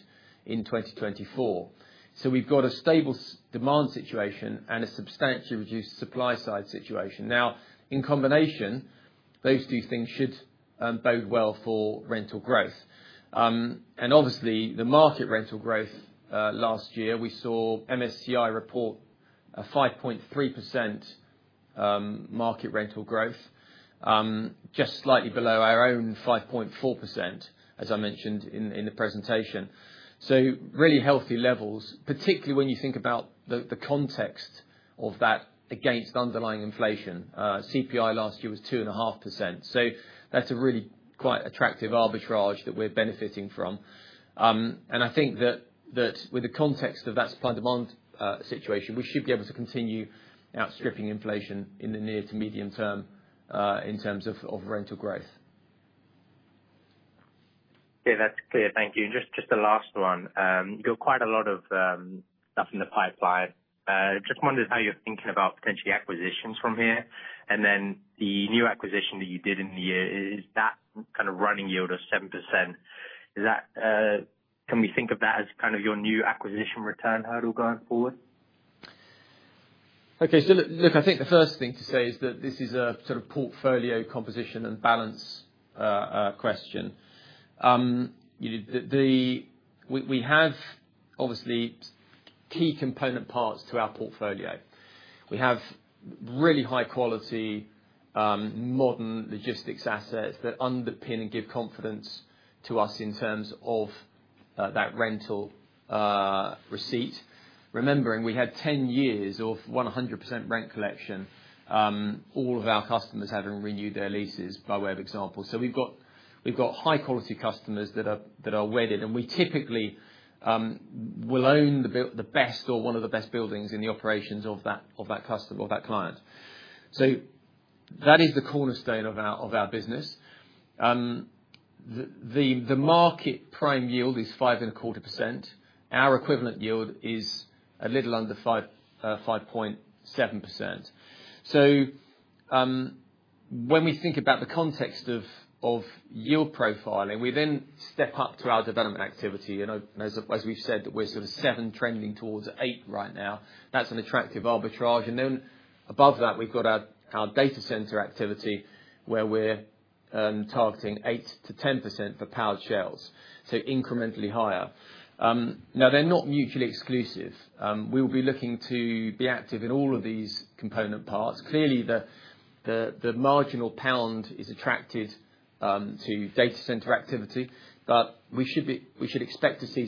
in 2024. So we've got a stable demand situation and a substantially reduced supply side situation. Now, in combination, those two things should bode well for rental growth. And obviously, the market rental growth last year, we saw MSCI report a 5.3% market rental growth, just slightly below our own 5.4%, as I mentioned in the presentation. So really healthy levels, particularly when you think about the context of that against underlying inflation. CPI last year was 2.5%. So that's a really quite attractive arbitrage that we're benefiting from. And I think that with the context of that supply-demand situation, we should be able to continue outstripping inflation in the near to medium term in terms of rental growth. Okay. That's clear. Thank you. Just the last one. You've got quite a lot of stuff in the pipeline. Just wondered how you're thinking about potentially acquisitions from here. And then the new acquisition that you did in the year, is that kind of running yield of 7%? Can we think of that as kind of your new acquisition return hurdle going forward? Okay. So look, I think the first thing to say is that this is a sort of portfolio composition and balance question. We have obviously key component parts to our portfolio. We have really high-quality modern logistics assets that underpin and give confidence to us in terms of that rental receipt. Remembering, we had 10 years of 100% rent collection, all of our customers having renewed their leases by way of example. So we've got high-quality customers that are wedded, and we typically will own the best or one of the best buildings in the operations of that customer or that client. So that is the cornerstone of our business. The market prime yield is 5.25%. Our equivalent yield is a little under 5.7%. So when we think about the context of yield profiling, we then step up to our development activity. And as we've said, we're sort of 7% trending towards 8% right now. That's an attractive arbitrage. And then above that, we've got data center activity where we're targeting 8%-10% for Powered Shells, so incrementally higher. Now, they're not mutually exclusive. We will be looking to be active in all of these component parts. Clearly, the marginal pound is attracted data center activity, but we should expect to see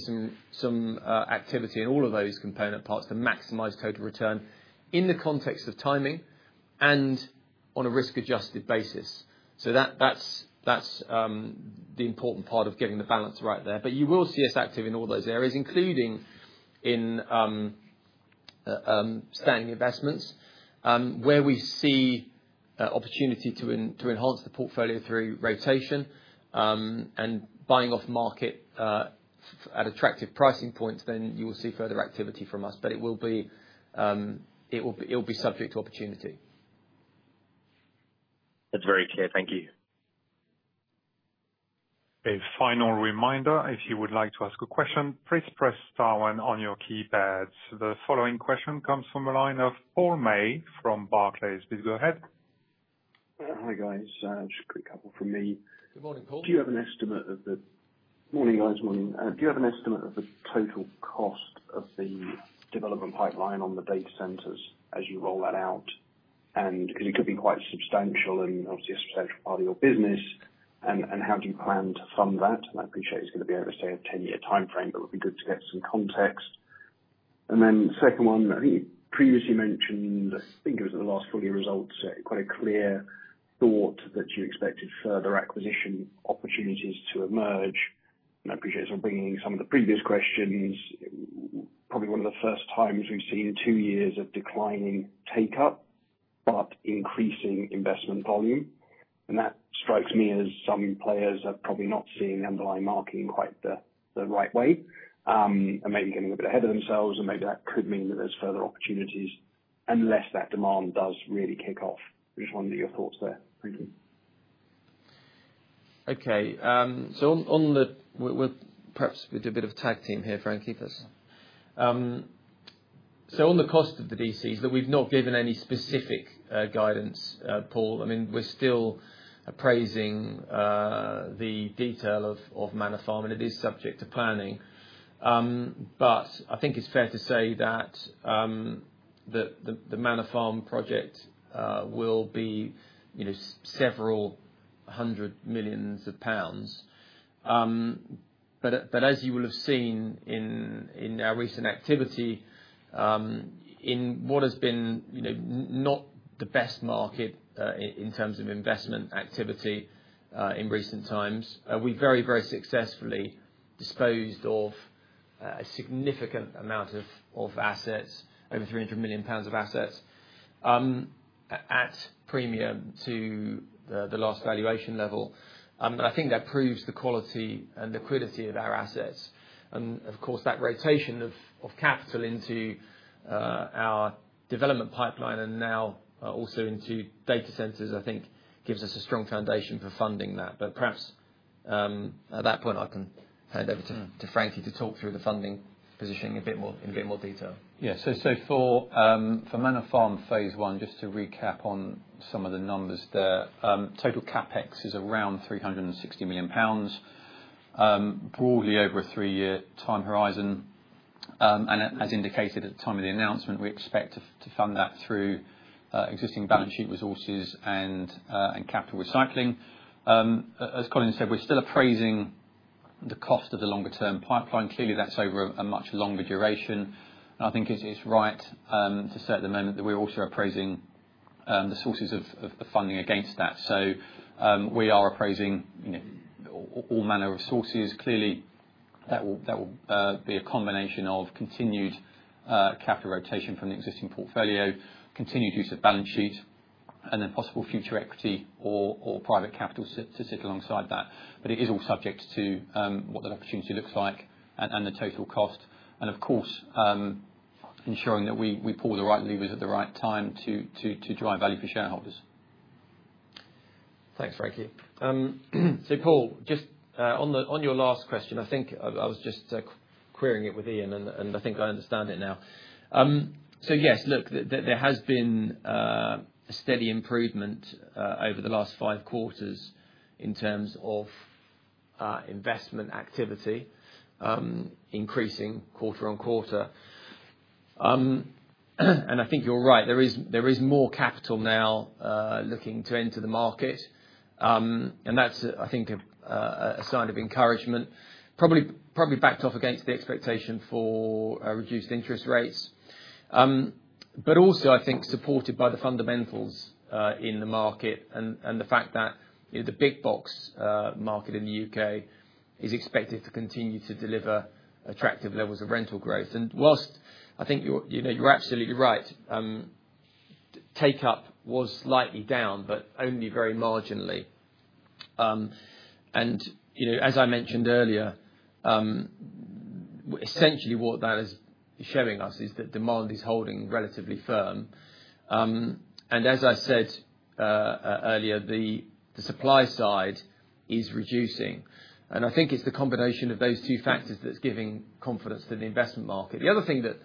some activity in all of those component parts to maximize total return in the context of timing and on a risk-adjusted basis. So that's the important part of getting the balance right there. But you will see us active in all those areas, including in standing investments, where we see opportunity to enhance the portfolio through rotation and buying off market at attractive pricing points, then you will see further activity from us. But it will be subject to opportunity. That's very clear. Thank you. A final reminder, if you would like to ask a question, please press star one on your keypads. The following question comes from a line of Paul May from Barclays. Please go ahead. Hi, guys. Just a quick couple from me. Good morning, Paul. Do you have an estimate of the total cost of the development data centers as you roll that out? Because it could be quite substantial and obviously a substantial part of your business. And how do you plan to fund that? And I appreciate it's going to be over, say, a 10-year timeframe, but it would be good to get some context. And then second one, I think you previously mentioned, I think it was at the last Full-year results, quite a clear thought that you expected further acquisition opportunities to emerge. And I appreciate sort of bringing in some of the previous questions. Probably one of the first times we've seen two years of declining take-up but increasing investment volume. And that strikes me as some players are probably not seeing underlying marketing quite the right way and maybe getting a bit ahead of themselves. And maybe that could mean that there's further opportunities unless that demand does really kick off. I just wanted your thoughts there. Thank you. Okay. So perhaps we do a bit of tag team here, Frankie, please. So on the cost of the DCs, we've not given any specific guidance, Paul. I mean, we're still appraising the detail of Manor Farm, and it is subject to planning. But I think it's fair to say that the Manor Farm project will be several hundred million pounds. But as you will have seen in our recent activity in what has been not the best market in terms of investment activity in recent times, we very, very successfully disposed of a significant amount of assets, over £ 300 million of assets, at premium to the last valuation level. And I think that proves the quality and liquidity of our assets. And of course, that rotation of capital into our development pipeline and data centers, i think, gives us a strong foundation for funding that. But perhaps at that point, I can hand over to Frankie to talk through the funding positioning in a bit more detail. Yeah. So for Manor Farm phase one, just to recap on some of the numbers there, total CapEx is around £ 360 million, broadly over a three-year time horizon. As indicated at the time of the announcement, we expect to fund that through existing balance sheet resources and capital recycling. As Colin said, we're still appraising the cost of the longer-term pipeline. Clearly, that's over a much longer duration. I think it's right to say at the moment that we're also appraising the sources of funding against that. We are appraising all manner of sources. Clearly, that will be a combination of continued capital rotation from the existing portfolio, continued use of balance sheet, and then possible future equity or private capital to sit alongside that. It is all subject to what that opportunity looks like and the total cost, and of course, ensuring that we pull the right levers at the right time to drive value for shareholders. Thanks, Frankie. And as I said earlier, the supply side is reducing. And I think it's the combination of those two factors that's giving confidence to the investment market. The other thing that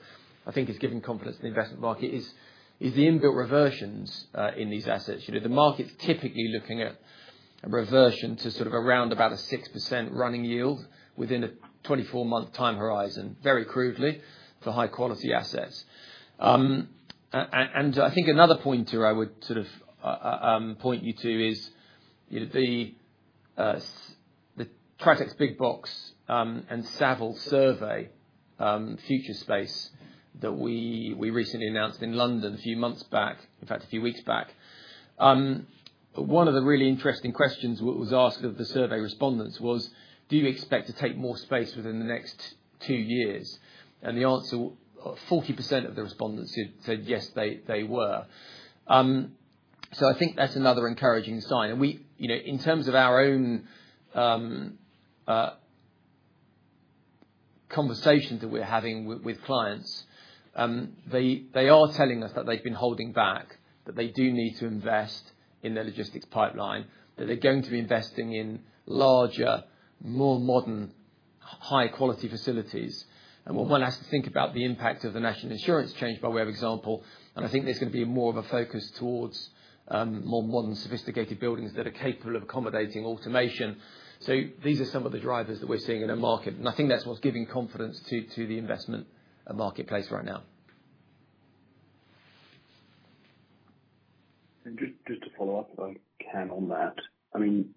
I think is giving confidence to the investment market is the inbuilt reversions in these assets. The market's typically looking at a reversion to sort of around about a 6% running yield within a 24-month time horizon, very crudely, for high-quality assets. And I think another pointer I would sort of point you to is the Tritax Big Box and Savills survey 'Future Space' that we recently announced in London a few months back, in fact, a few weeks back. One of the really interesting questions that was asked of the survey respondents was, "Do you expect to take more space within the next two years?" And the answer, 40% of the respondents said yes, they were. So I think that's another encouraging sign. And in terms of our own conversations that we're having with clients, they are telling us that they've been holding back, that they do need to invest in their logistics pipeline, that they're going to be investing in larger, more modern, high-quality facilities. And they're wanting us to think about the impact of the national insurance change by way of example. And I think there's going to be more of a focus towards more modern, Sophisticated Buildings that are capable of accommodating automation. So these are some of the drivers that we're seeing in a market. And I think that's what's giving confidence to the investment marketplace right now. Just to follow up if I can on that, I mean,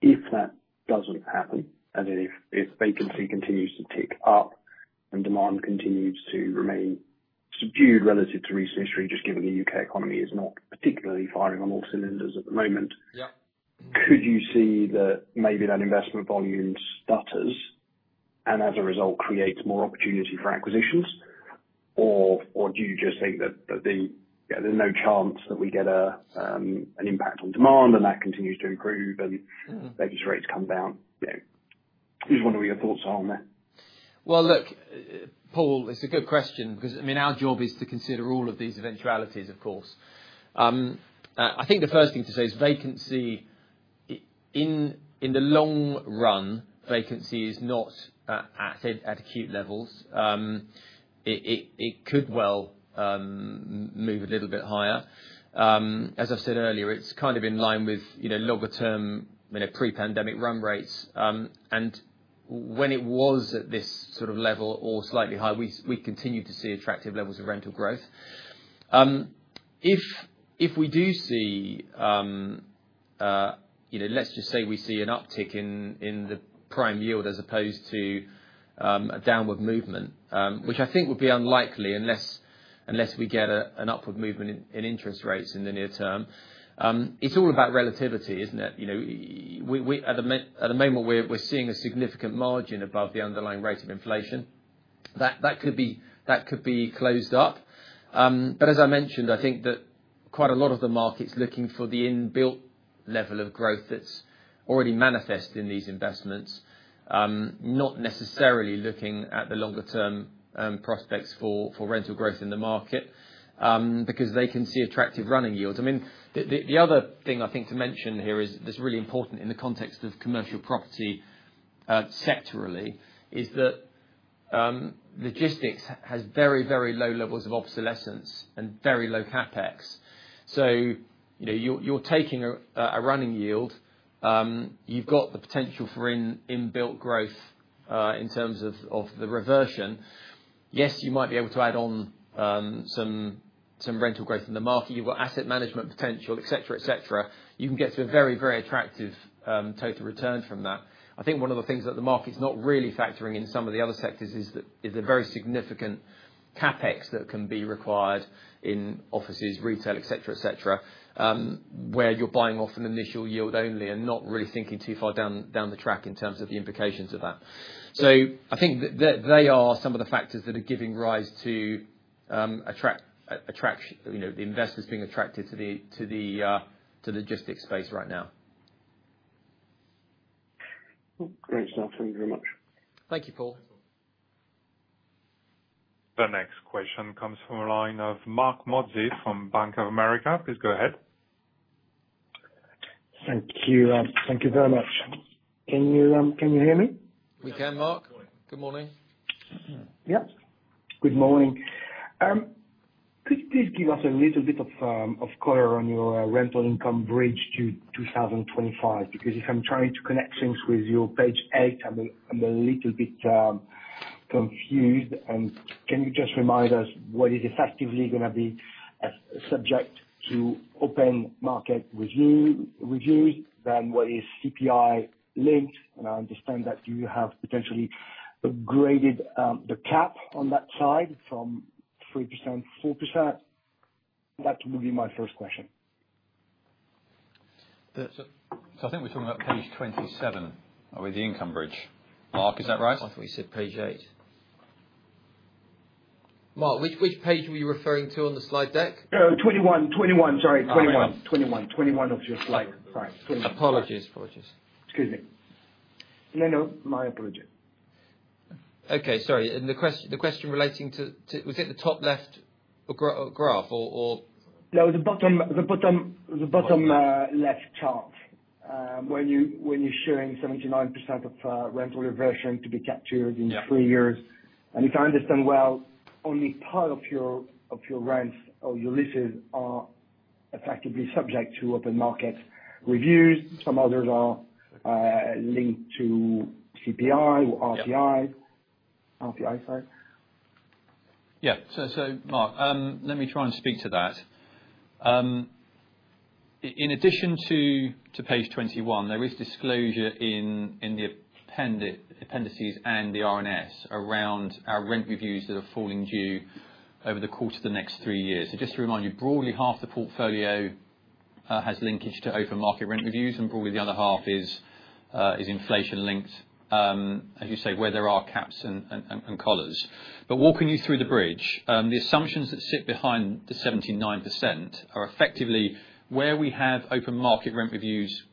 if that doesn't happen, and if vacancy continues to tick up and demand continues to remain subdued relative to recent history, just given the U.K. economy is not particularly firing on all cylinders at the moment, could you see that maybe that investment volume stutters and as a result creates more opportunity for acquisitions? Or do you just think that there's no chance that we get an impact on demand and that continues to improve and vacancy rates come down? Just wonder what your thoughts are on that? Look, Paul, it's a good question because, I mean, our job is to consider all of these eventualities, of course. I think the first thing to say is vacancy in the long run, vacancy is not at acute levels. It could well move a little bit higher. As I've said earlier, it's kind of in line with longer-term pre-pandemic run rates, and when it was at this sort of level or slightly higher, we continued to see attractive levels of rental growth. If we do see, let's just say we see an uptick in the prime yield as opposed to a downward movement, which I think would be unlikely unless we get an upward movement in interest rates in the near term, it's all about relativity, isn't it? At the moment, we're seeing a significant margin above the underlying rate of inflation. That could be closed up, but as I mentioned, I think that quite a lot of the market's looking for the inbuilt level of growth that's already manifest in these investments, not necessarily looking at the longer-term prospects for rental growth in the market because they can see attractive running yields. I mean, the other thing I think to mention here is, that's really important in the context of commercial property sectorally is that logistics has very, very low levels of obsolescence and very low CapEx. So you're taking a running yield. You've got the potential for inbuilt growth in terms of the reversion. Yes, you might be able to add on some rental growth in the market. You've got asset management potential, etc., etc. You can get to a very, very attractive total return from that. I think one of the things that the market's not really factoring in some of the other sectors is the very significant CapEx that can be required in offices, retail, etc., etc., where you're buying off an initial yield only and not really thinking too far down the track in terms of the implications of that. So I think they are some of the factors that are giving rise to the investors being attracted to the logistics space right now. Great. So thank you very much. Thank you, Paul. The next question comes from a line of Marc Mozzi from Bank of America. Please go ahead. Thank you. Thank you very much. Can you hear me? We can, Mark. Good morning. Good morning. Yep. Good morning. Could you please give us a little bit of color on your rental income bridge to 2025? Because if I'm trying to connect things with your page eight, I'm a little bit confused. And can you just remind us what is effectively going to be subject to open market reviews? Then what is CPI linked? And I understand that you have potentially upgraded the cap on that side from 3%-4%. That would be my first question. I think we're talking about page 27, are we, the income bridge? Marc, is that right? I thought you said page eight. Marc, which page were you referring to on the slide deck? 21. Sorry, 21 of your slide. Apologies. Excuse me. No, no. My apology. Okay. Sorry. And the question relating to was it the top left graph or? No, the bottom left chart when you're showing 79% of rental reversion to be captured in three years. And if I understand well, only part of your rents or your leases are effectively subject to open market reviews. Some others are linked to CPI or RPI. RPI, sorry. Yeah. So Marc, let me try and speak to that. In addition to page 21, there is disclosure in the appendices and the RNS around our rent reviews that are falling due over the course of the next three years, so just to remind you, broadly half the portfolio has linkage to open market rent reviews, and broadly the other half is inflation linked, as you say, where there are caps and collars, but walking you through the bridge, the assumptions that sit behind the 79% are effectively where we have open market rent reviews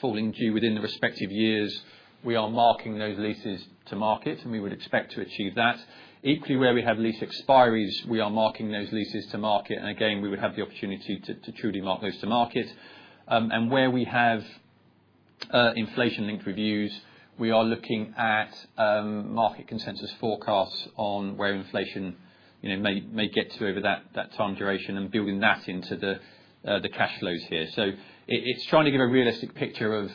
falling due within the respective years, we are marking those leases to market, and we would expect to achieve that. Equally, where we have lease expiries, we are marking those leases to market, and again, we would have the opportunity to truly mark those to market. And where we have inflation-linked reviews, we are looking at market consensus forecasts on where inflation may get to over that time duration and building that into the cash flows here. So it's trying to give a realistic picture of,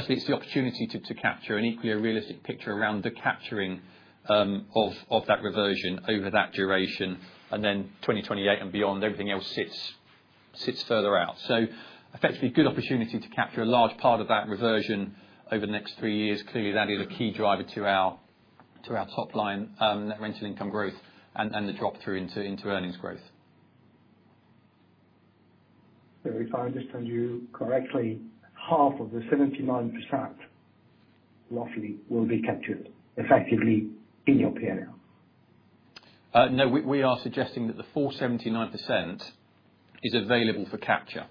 firstly, it's the opportunity to capture and equally a realistic picture around the capturing of that reversion over that duration. And then 2028 and beyond, everything else sits further out. So effectively, good opportunity to capture a large part of that reversion over the next three years. Clearly, that is a key driver to our top line, that rental income growth and the drop-through into earnings growth. If I understand you correctly, half of the 79% roughly will be captured effectively in your P&L? No, we are suggesting that the full 79% is available for capture.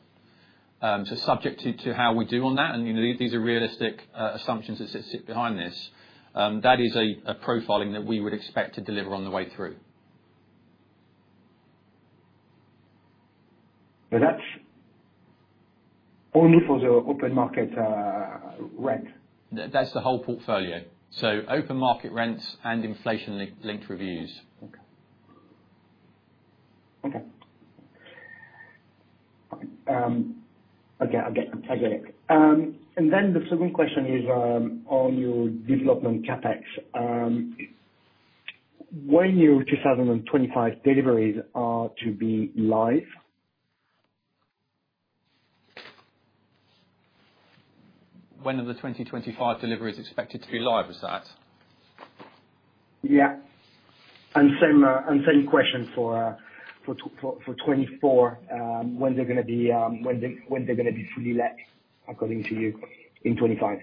So subject to how we do on that, and these are realistic assumptions that sit behind this, that is a profiling that we would expect to deliver on the way through. But that's only for the open market rent? That's the whole portfolio. So open market rents and inflation-linked reviews. Okay. I get it. And then the second question is on your development CapEx. When are your 2025 deliveries expected to be live? When are the 2025 deliveries expected to be live, is that? Yeah. And same question for 2024, when they're going to be fully let, according to you, in 2025?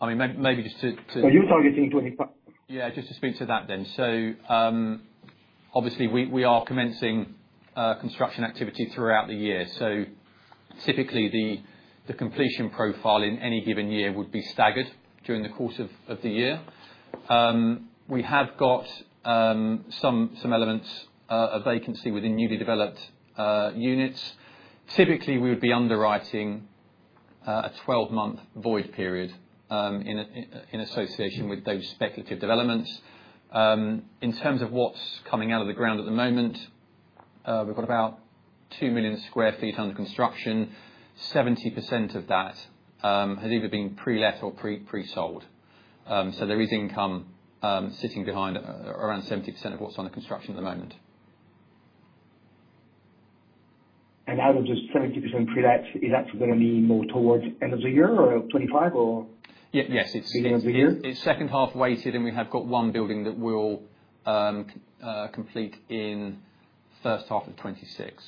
I mean, maybe. Are you targeting 2025? Yeah, just to speak to that then. So obviously, we are commencing construction activity throughout the year. So typically, the completion profile in any given year would be staggered during the course of the year. We have got some elements of vacancy within newly developed units. Typically, we would be underwriting a 12-month void period in association with those speculative developments. In terms of what's coming out of the ground at the moment, we've got about 2 million sq ft under construction. 70% of that has either been pre-let or pre-sold. So there is income sitting behind around 70% of what's on the construction at the moment. And out of this 70% pre-let, is that going to be more towards end of the year or 2025 or beginning of the year? It's second half weighted, and we have got one building that we'll complete in first half of 2026.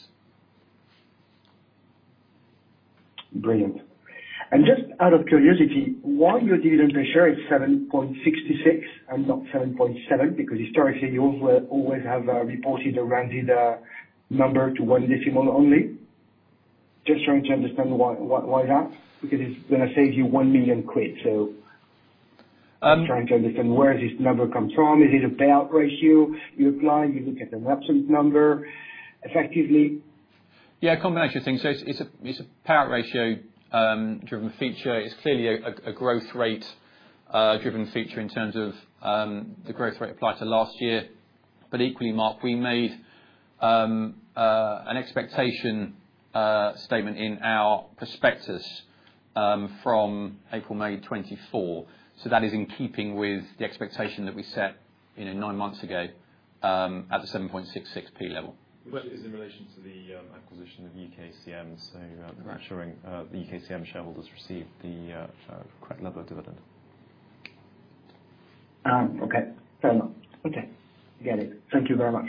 Brilliant. And just out of curiosity, why your dividend ratio is 7.66 and not 7.7? Because historically, you always have reported a rounded number to one decimal only. Just trying to understand why that, because it's going to save you £ 1 million. So just trying to understand where does this number come from? Is it a payout ratio you apply? You look at an absolute number effectively? Yeah, a combination of things. So it's a payout ratio-driven feature. It's clearly a growth rate-driven feature in terms of the growth rate applied to last year. But equally, Mark, we made an expectation statement in our prospectus from April, May 2024. So that is in keeping with the expectation that we set nine months ago at the 7.66p level. Which is in relation to the acquisition of UKCM, so ensuring the UKCM shareholders receive the correct level of dividend. Okay. Fair enough. Okay. Got it. Thank you very much.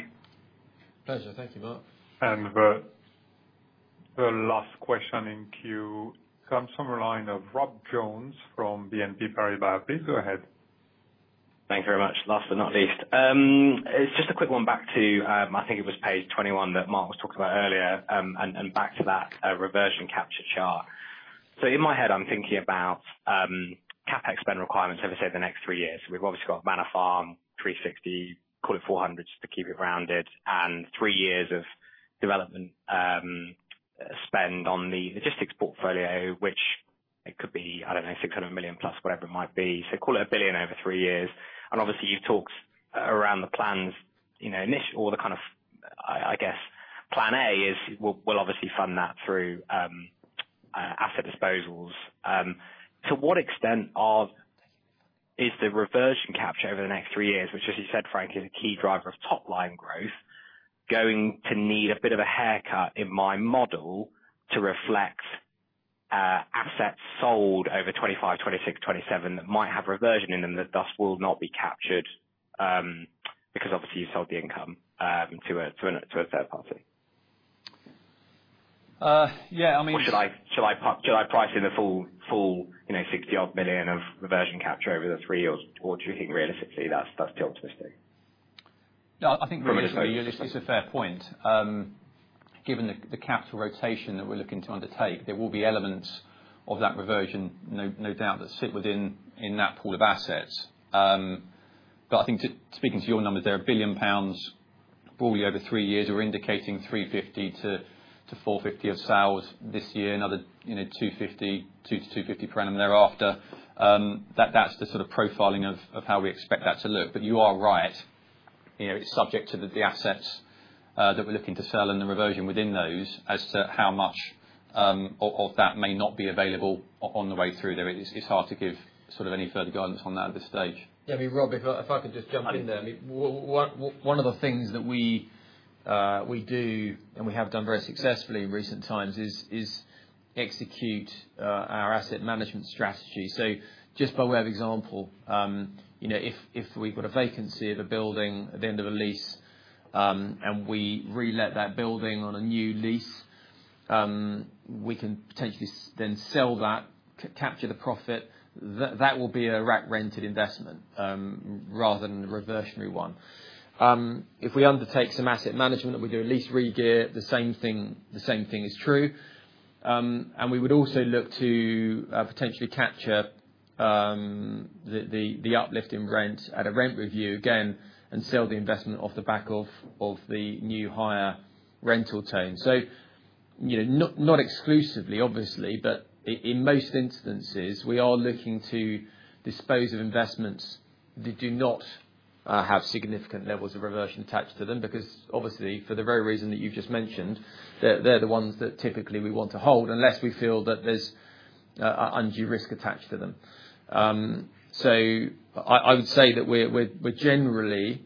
Pleasure. Thank you, Mark. And the last question in queue comes from a line of Rob Jones from BNP Paribas. Please go ahead. Thank you very much. Last but not least, it's just a quick one back to, I think it was page 21 that Mark was talking about earlier, and back to that reversion capture chart. So in my head, I'm thinking about CapEx spend requirements over, say, the next three years. We've obviously got Manor Farm, £360, call it £400 just to keep it rounded, and three years of development spend on the logistics portfolio, which could be, I don't know, £600 million plus, whatever it might be. So call it £1 billion over three years. And obviously, you've talked around the plans, or the kind of, I guess, plan A is we'll obviously fund that through asset disposals. To what extent is the reversion capture over the next three years, which, as you said, Frank, is a key driver of top line growth, going to need a bit of a haircut in my model to reflect assets sold over 2025, 2026, 2027 that might have reversion in them that thus will not be captured because, obviously, you've sold the income to a third party? Yeah, I mean. Or should I price in the full £60 million of reversion capture over the three years? Or do you think realistically that's too optimistic? I think realistically is a fair point. Given the capital rotation that we're looking to undertake, there will be elements of that reversion, no doubt, that sit within that pool of assets. But I think, speaking to your numbers, there are £1 billion broadly over three years. We're indicating £350-£450 of sales this year, another £ 250-£250 per annum thereafter. That's the sort of profiling of how we expect that to look. But you are right. It's subject to the assets that we're looking to sell and the reversion within those as to how much of that may not be available on the way through there. It's hard to give sort of any further guidance on that at this stage. Yeah. I mean, Rob, if I could just jump in there, one of the things that we do and we have done very successfully in recent times is execute our asset management strategy. So just by way of example, if we've got a vacancy of a building at the end of a lease and we re-let that building on a new lease, we can potentially then sell that, capture the profit. That will be a rack-rented investment rather than a reversionary one. If we undertake some asset management and we do a lease re-gear, the same thing is true. And we would also look to potentially capture the uplift in rent at a rent review, again, and sell the investment off the back of the new higher rental tone. So not exclusively, obviously, but in most instances, we are looking to dispose of investments that do not have significant levels of reversion attached to them because, obviously, for the very reason that you've just mentioned, they're the ones that typically we want to hold unless we feel that there's undue risk attached to them. So I would say that we're generally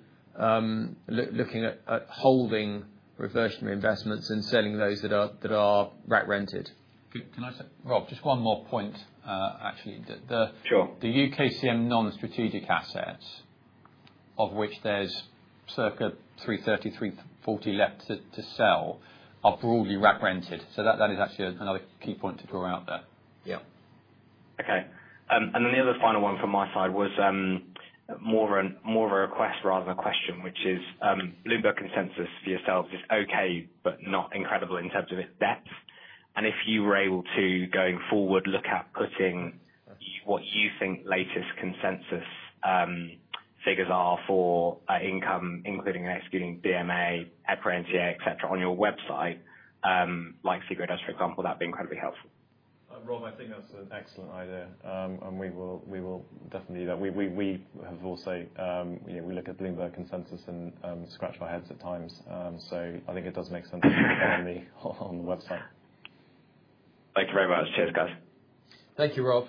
looking at holding reversionary investments and selling those that are rack-rented. Can I say, Rob, just one more point, actually. The UKCM non-strategic assets, of which there's circa 330-340 left to sell, are broadly rack-rented. So that is actually another key point to draw out there. Yeah. Okay. And then the other final one from my side was more of a request rather than a question, which is Bloomberg Consensus for yourselves is okay but not incredible in terms of its depth. And if you were able to, going forward, look at putting what you think latest consensus figures are for income, including and excluding BMA, EPRA, NTA, etc., on your website, like Segro does, for example, that'd be incredibly helpful. Rob, I think that's an excellent idea. And we will definitely do that. We have also looked at Bloomberg Consensus and scratched our heads at times. So I think it does make sense to put that on the website. Thank you very much. Cheers, guys. Thank you, Rob.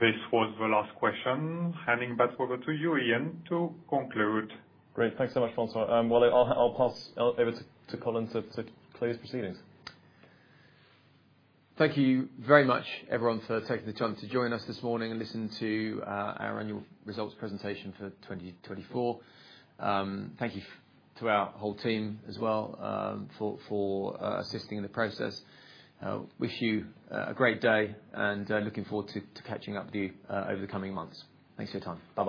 This was the last question. Handing back over to you, Ian, to conclude. Great. Thanks so much, Bronson. I'll pass over to Colin to close proceedings. Thank you very much, everyone, for taking the time to join us this morning and listen to our annual results presentation for 2024. Thank you to our whole team as well for assisting in the process. Wish you a great day and looking forward to catching up with you over the coming months. Thanks for your time. Bye.